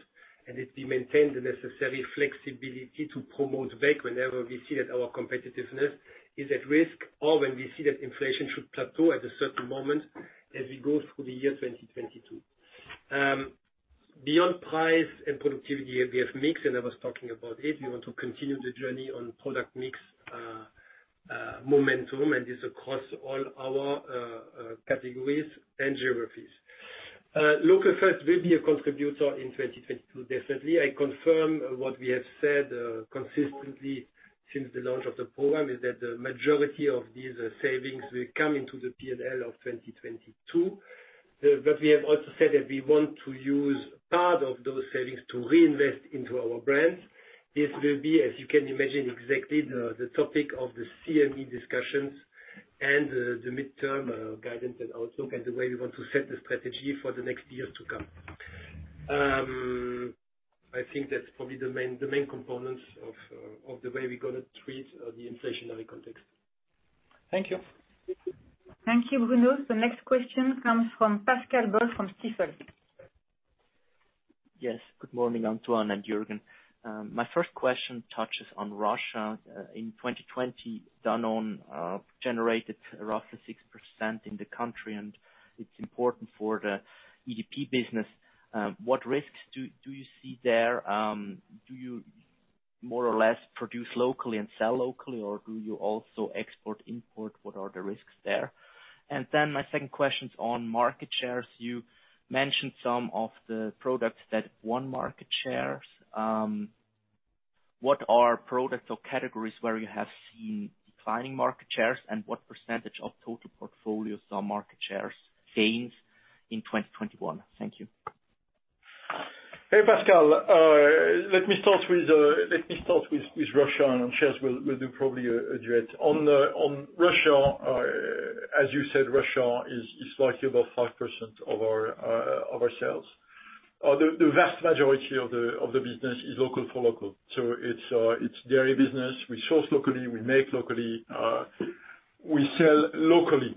That we maintain the necessary flexibility to promote back whenever we see that our competitiveness is at risk, or when we see that inflation should plateau at a certain moment as we go through the year 2022. Beyond price and productivity, we have mix, and I was talking about it. We want to continue the journey on product mix momentum, and this across all our categories and geographies. Local First will be a contributor in 2022, definitely. I confirm what we have said consistently since the launch of the program, is that the majority of these savings will come into the P&L of 2022. We have also said that we want to use part of those savings to reinvest into our brands. This will be, as you can imagine, exactly the topic of the CMD discussions and the midterm guidance and outlook, and the way we want to set the strategy for the next years to come. I think that's probably the main components of the way we're gonna treat the inflationary context. Thank you. Thank you, Bruno. The next question comes from Pascal Boll from Stifel. Yes. Good morning, Antoine de Saint-Affrique and Juergen Esser. My first question touches on Russia. In 2020, Danone generated roughly 6% in the country, and it's important for the EDP business. What risks do you see there? Do you more or less produce locally and sell locally, or do you also export/import? What are the risks there? My second question's on market shares. You mentioned some of the products that won market shares. What are products or categories where you have seen declining market shares, and what percentage of total portfolio saw market shares gains in 2021? Thank you. Hey, Pascal. Let me start with Russia. On Russia, as you said, Russia is likely about 5% of our sales. The vast majority of the business is local for local. It's dairy business. We source locally, we make locally, we sell locally.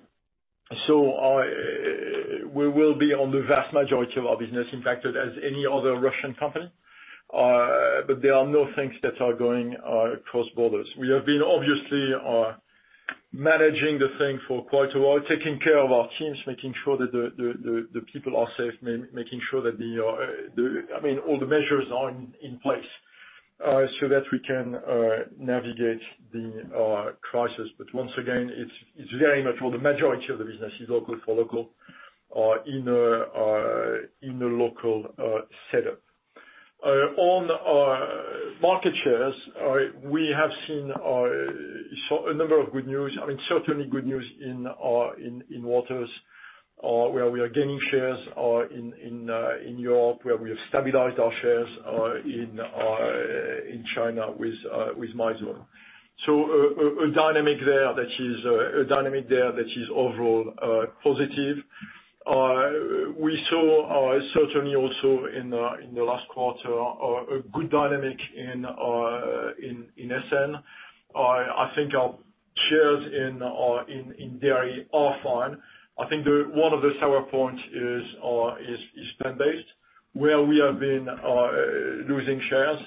We will be on the vast majority of our business impacted as any other Russian company. There are no things that are going across borders. We have been obviously managing the thing for quite a while, taking care of our teams, making sure that the people are safe, making sure that the I mean, all the measures are in place so that we can navigate the crisis. Once again, it's very much for the majority of the business local for local in a local setup. On market shares, we have seen a number of good news. I mean, certainly good news in waters where we are gaining shares in Europe where we have stabilized our shares in China with Mizone. A dynamic there that is overall positive. We saw certainly also in the last quarter a good dynamic in SN. I think our shares in dairy are fine. I think one of the sore points is plant-based, where we have been losing shares.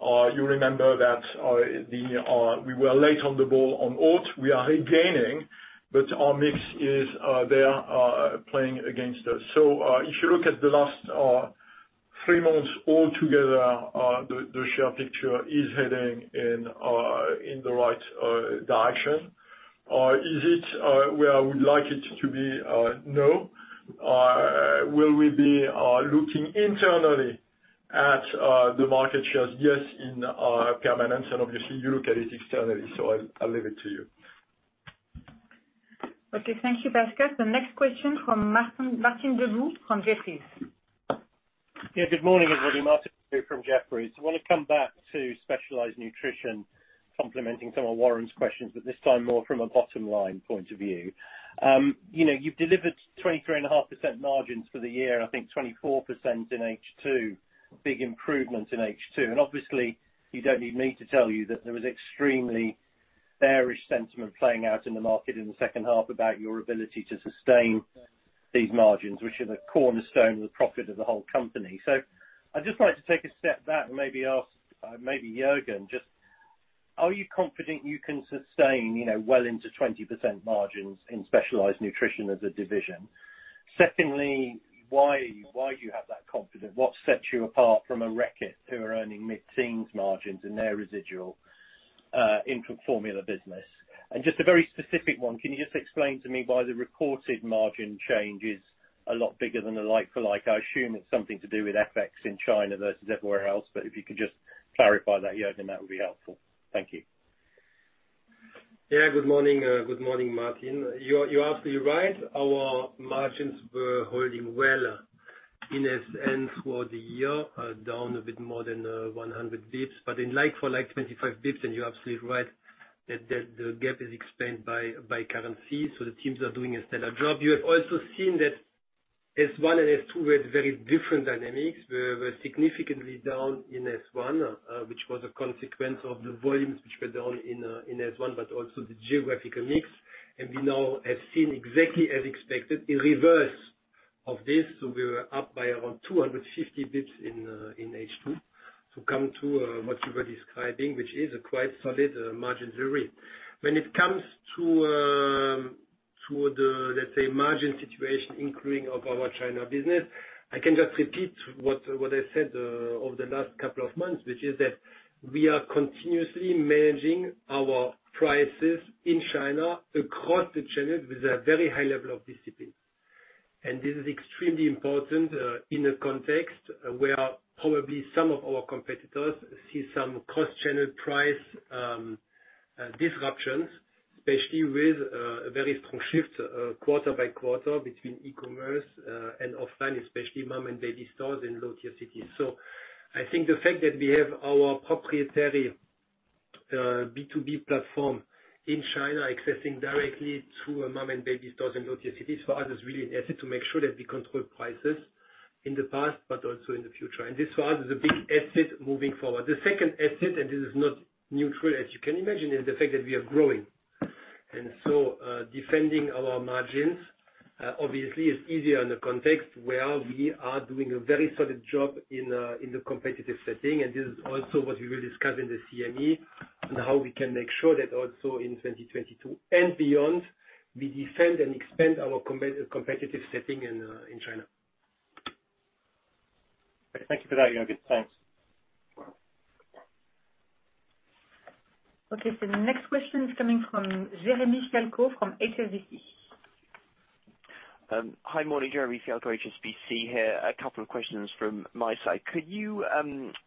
You remember that we were late on the ball on oat. We are regaining, but our mix is playing against us. If you look at the last three months all together, the share picture is heading in the right direction. Is it where I would like it to be? No. Will we be looking internally at the market shares? Yes, permanently, and obviously you look at it externally, so I'll leave it to you. Okay, thank you, Pascal. The next question from Martin Deboo from Jefferies. Yeah, good morning, everybody. Martin Deboo from Jefferies. I wanna come back to specialized nutrition, complementing some of Warren's questions, but this time more from a bottom line point of view. You know, you've delivered 23.5% margins for the year, I think 24% in H2, big improvement in H2. Obviously, you don't need me to tell you that there was extremely bearish sentiment playing out in the market in the second half about your ability to sustain these margins, which are the cornerstone of the profit of the whole company. I'd just like to take a step back and maybe ask, maybe Juergen, just are you confident you can sustain, you know, well into 20% margins in specialized nutrition as a division? Secondly, why do you have that confidence? What sets you apart from a Reckitt, who are earning mid-teens margins in their residual infant formula business? Just a very specific one, can you just explain to me why the reported margin change is a lot bigger than the like-for-like? I assume it's something to do with FX in China versus everywhere else, but if you could just clarify that, Juergen, that would be helpful. Thank you. Yeah. Good morning. Good morning, Martin. You are absolutely right. Our margins were holding well in SN throughout the year, down a bit more than 100 bps. In like-for-like, 25 bps, and you're absolutely right that the gap is explained by currency, so the teams are doing a stellar job. You have also seen that S1 and S2 were at very different dynamics. We were significantly down in S1, which was a consequence of the volumes which were down in S1, but also the geographical mix. We now have seen exactly as expected, a reverse of this. We were up by around 250 bps in H2 to come to what you were describing, which is a quite solid margin story. When it comes to the margin situation, including of our China business, I can just repeat what I said over the last couple of months, which is that we are continuously managing our prices in China across the channels with a very high level of discipline. This is extremely important in a context where probably some of our competitors see some cross-channel price disruptions, especially with very strong shifts quarter by quarter between e-commerce and offline, especially mom and baby stores in lower tier cities. I think the fact that we have our proprietary B2B platform in China accessing directly to a mom and baby store in lower tier cities for us is really an asset to make sure that we control prices in the past but also in the future. This for us is a big asset moving forward. The second asset, and this is not neutral as you can imagine, is the fact that we are growing. Defending our margins obviously is easier in the context where we are doing a very solid job in the competitive setting. This is also what we will discuss in the CMD on how we can make sure that also in 2022 and beyond, we defend and expand our competitive setting in China. Thank you for that, Juergen. Thanks. You're welcome. Okay. The next question is coming from Jeremy Fialko from HSBC. Hi. Morning, Jeremy Fialko, HSBC here. A couple of questions from my side. Could you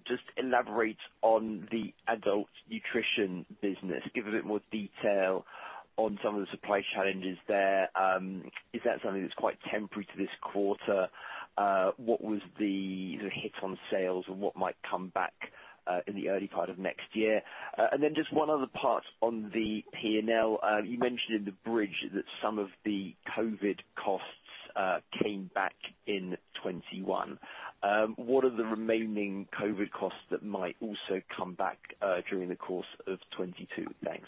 just elaborate on the adult nutrition business? Give a bit more detail. On some of the supply challenges there, is that something that's quite temporary to this quarter? What was the hit on sales and what might come back in the early part of next year? Just one other part on the P&L. You mentioned in the bridge that some of the COVID costs came back in 2021. What are the remaining COVID costs that might also come back during the course of 2022? Thanks.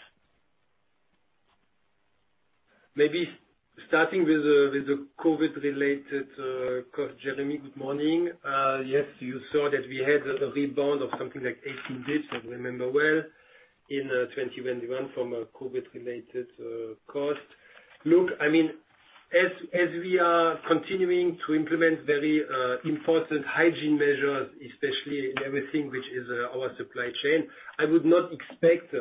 COVID-related cost. Jeremy, good morning. Yes. You saw that we had a rebound of something like 18 days, if I remember well, in 2021 from a COVID-related cost. Look, I mean, as we are continuing to implement very important hygiene measures, especially in everything which is our supply chain, I would not expect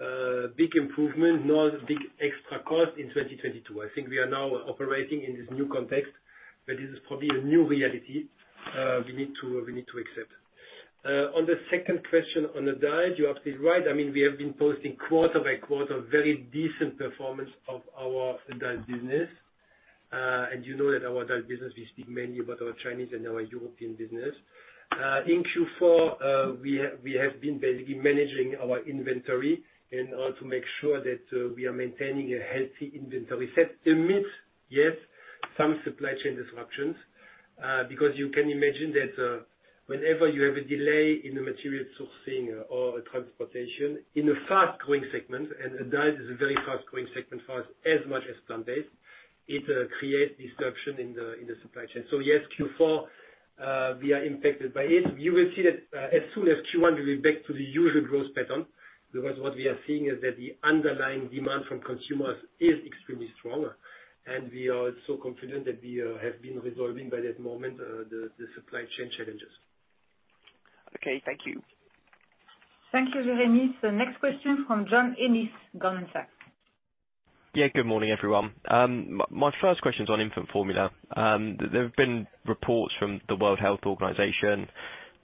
a big improvement nor big extra cost in 2022. I think we are now operating in this new context, but this is probably a new reality we need to accept. On the second question on the dairy, you are still right. I mean, we have been posting quarter by quarter very decent performance of our dairy business. You know that our dairy business, we speak mainly about our Chinese and our European business. In Q4, we have been basically managing our inventory and to make sure that we are maintaining a healthy inventory set amidst, yes, some supply chain disruptions. Because you can imagine that whenever you have a delay in the material sourcing or transportation in a fast-growing segment, and diet is a very fast-growing segment for us, as much as plant-based, it creates disruption in the supply chain. Yes, Q4, we are impacted by it. You will see that as soon as Q1, we're back to the usual growth pattern, because what we are seeing is that the underlying demand from consumers is extremely strong. We are so confident that we have been resolving by this moment the supply chain challenges. Okay, thank you. Thank you, Jeremy. Next question from John Ennis, Goldman Sachs. Yeah, good morning, everyone. My first question is on infant formula. There have been reports from the World Health Organization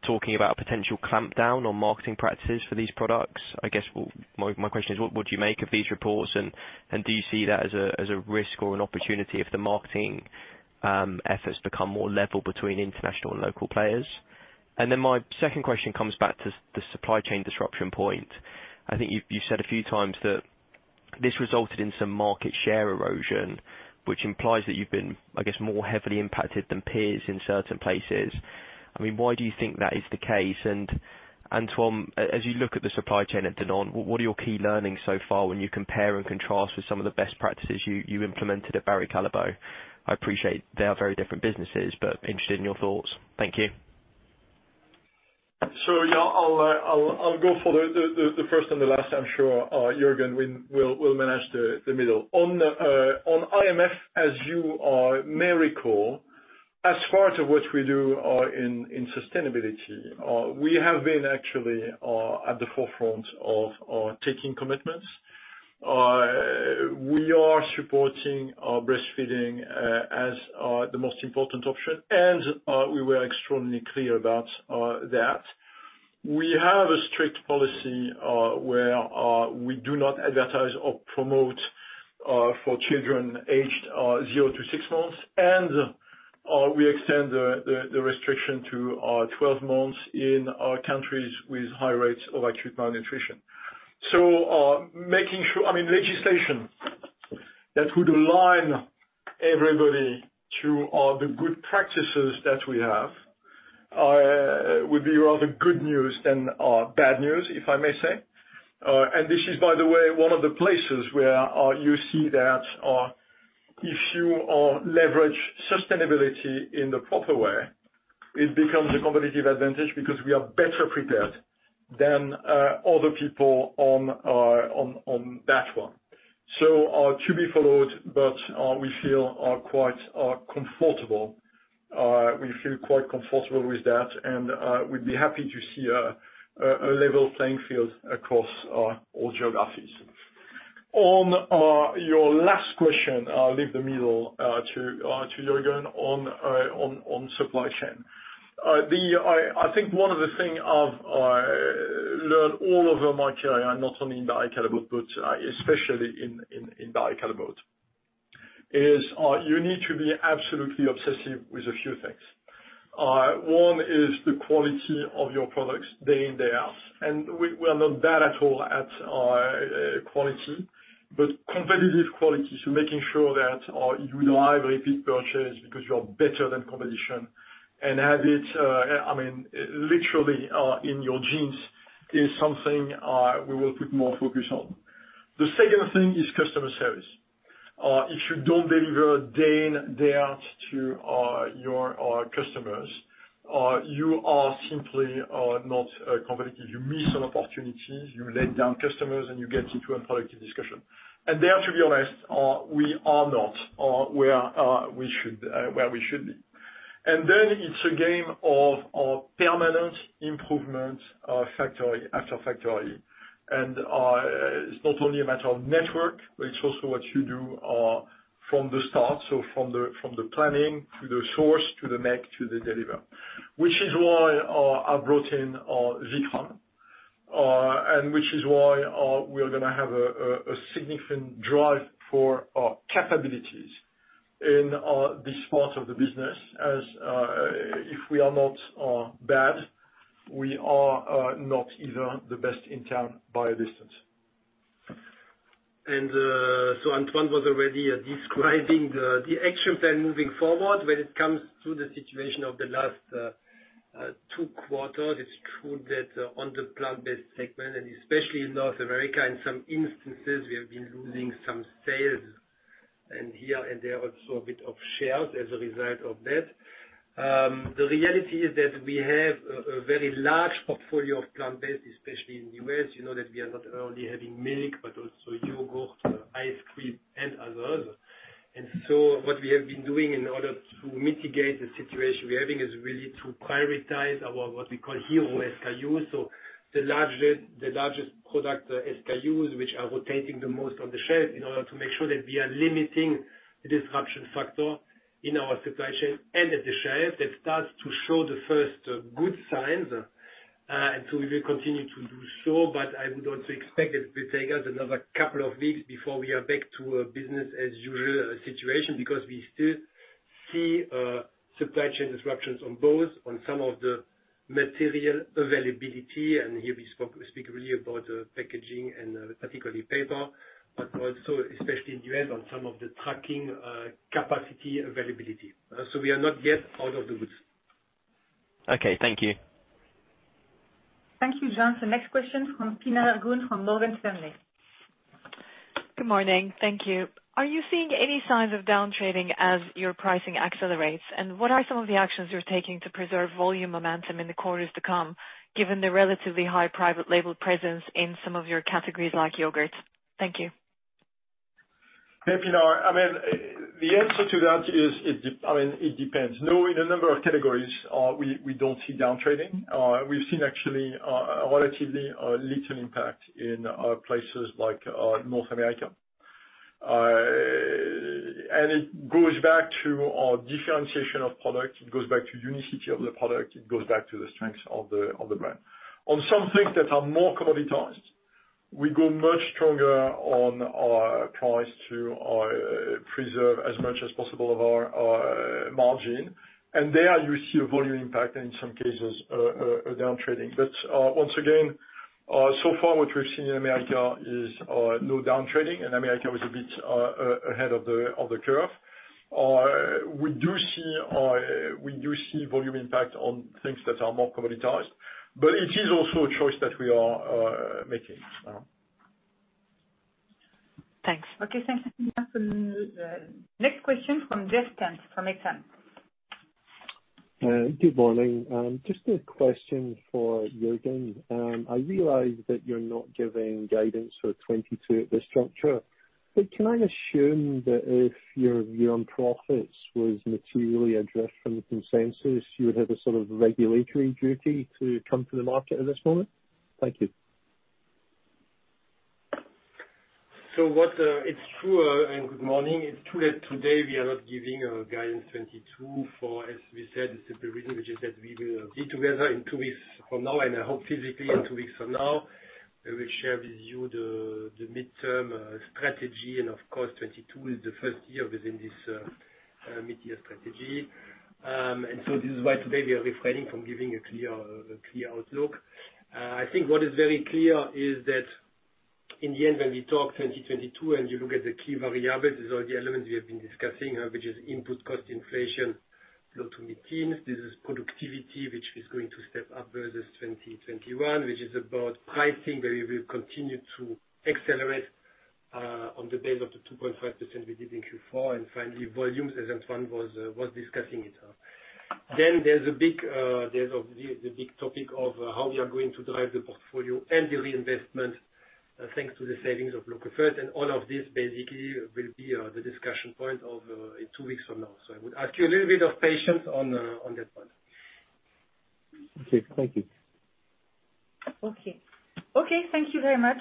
talking about potential clampdown on marketing practices for these products. I guess my question is, what do you make of these reports? Do you see that as a risk or an opportunity if the marketing efforts become more level between international and local players? My second question comes back to the supply chain disruption point. I think you said a few times that this resulted in some market share erosion, which implies that you've been, I guess, more heavily impacted than peers in certain places. I mean, why do you think that is the case? Antoine, as you look at the supply chain at Danone, what are your key learnings so far when you compare and contrast with some of the best practices you implemented at Barry Callebaut? I appreciate they are very different businesses, but I'm interested in your thoughts. Thank you. Yeah, I'll go for the first and the last. I'm sure Juergen will manage the middle. On IMF, as you may recall, as part of what we do in sustainability, we have been actually at the forefront of taking commitments. We are supporting breastfeeding as the most important option, and we were extremely clear about that. We have a strict policy where we do not advertise or promote for children aged 0 to 6 months, and we extend the restriction to 12 months in countries with high rates of acute malnutrition. Making sure—I mean, legislation that would align everybody to the good practices that we have would be rather good news than bad news, if I may say. This is, by the way, one of the places where you see that if you leverage sustainability in the proper way, it becomes a competitive advantage because we are better prepared than other people on that one. To be followed, we feel quite comfortable with that, and we'd be happy to see a level playing field across all geographies. On your last question, I'll leave it to Juergen on supply chain. I think one of the things I've learned all over my career, not only in Barry Callebaut, but especially in Barry Callebaut, is you need to be absolutely obsessive with a few things. One is the quality of your products day in, day out. We're not bad at all at quality, but competitive quality. So making sure that you drive repeat purchase because you're better than competition and have it, I mean, literally, in your genes is something we will put more focus on. The second thing is customer service. If you don't deliver day in, day out to your customers, you are simply not competitive. You miss an opportunity, you let down customers, and you get into unproductive discussion. There, to be honest, we are not where we should be. It's a game of permanent improvement, factory after factory. It's not only a matter of network, but it's also what you do from the start, so from the planning to the source, to the make, to the deliver. Which is why I brought in Vikram Agarwal, and which is why we are gonna have a significant drive for our capabilities in this part of the business as if we are not bad, we are not either the best in town by a distance. Antoine was already describing the action plan moving forward when it comes to the situation of the last two quarters. It's true that on the plant-based segment, and especially in North America, in some instances, we have been losing some sales and here and there, also a bit of shares as a result of that. The reality is that we have a very large portfolio of plant-based, especially in the U.S. You know that we are not only having milk, but also yogurt, ice cream, and other. What we have been doing in order to mitigate the situation we're having is really to prioritize our what we call hero SKUs, so the largest product SKUs which are rotating the most on the shelves in order to make sure that we are limiting the disruption factor in our supply chain and at the shelf. That starts to show the first good signs, we will continue to do so. I would also expect that it will take us another couple of weeks before we are back to a business as usual situation, because we still see supply chain disruptions on both, on some of the material availability, and here we speak really about packaging and particularly paper, but also especially in U.S. on some of the trucking capacity availability. We are not yet out of the woods. Okay, thank you. Thank you, John. Next question from Pinar Ergun from Morgan Stanley. Good morning. Thank you. Are you seeing any signs of down trading as your pricing accelerates? What are some of the actions you're taking to preserve volume momentum in the quarters to come, given the relatively high private label presence in some of your categories, like yogurt? Thank you. Hey, Pinar. I mean, the answer to that is I mean, it depends. Knowing a number of categories, we don't see down trading. We've seen actually a relatively little impact in places like North America. It goes back to our differentiation of product. It goes back to uniqueness of the product. It goes back to the strengths of the brand. On some things that are more commoditized, we go much stronger on our price to preserve as much as possible of our margin. There you see a volume impact and in some cases a down trading. Once again, so far what we've seen in America is no down trading, and America was a bit ahead of the curve. We do see volume impact on things that are more commoditized, but it is also a choice that we are making. Thanks. Okay, thank you, Pinar. The next question from Jeff Stent from Exane. Good morning. Just a question for Juergen. I realize that you're not giving guidance for 2022 at this juncture, but can I assume that if your year-end profits was materially ahead of the consensus, you would have a sort of regulatory duty to come to the market at this moment? Thank you. It's true. Good morning. It's true that today we are not giving a guidance 2022 for, as we said, the simple reason, which is that we will be together in two weeks from now, and I hope physically in two weeks from now, we will share with you the midterm strategy. Of course, 2022 is the first year within this mid-term strategy. This is why today we are refraining from giving a clear outlook. I think what is very clear is that in the end, when we talk 2022 and you look at the key variables, these are the elements we have been discussing, which is input cost inflation low to mid-teens. This is productivity, which is going to step up versus 2021, which is about pricing, where we will continue to accelerate on the base of the 2.5% we did in Q4. Finally, volumes, as Antoine was discussing it. There's the big topic of how we are going to drive the portfolio and the reinvestment thanks to the savings of Local First. All of this basically will be the discussion point in two weeks from now. I would ask you a little bit of patience on that one. Okay. Thank you. Okay, thank you very much.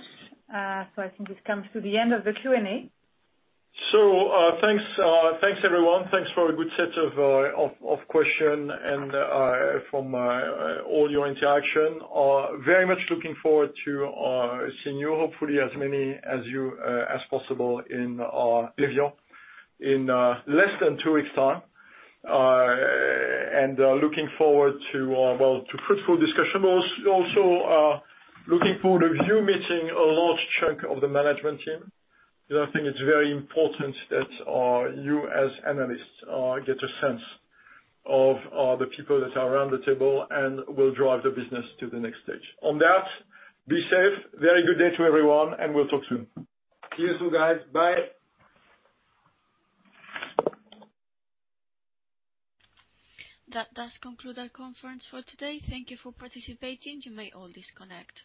I think this comes to the end of the Q&A. Thanks, everyone. Thanks for a good set of questions and from all your interaction. Very much looking forward to seeing you, hopefully as many as possible in Évian in less than two weeks' time. Looking forward to, well, to fruitful discussion. Also, looking forward to you meeting a large chunk of the management team, because I think it's very important that you as analysts get a sense of the people that are around the table and will drive the business to the next stage. On that, be safe. Very good day to everyone, and we'll talk soon. See you soon, guys. Bye. That does conclude our conference for today. Thank you for participating. You may all disconnect.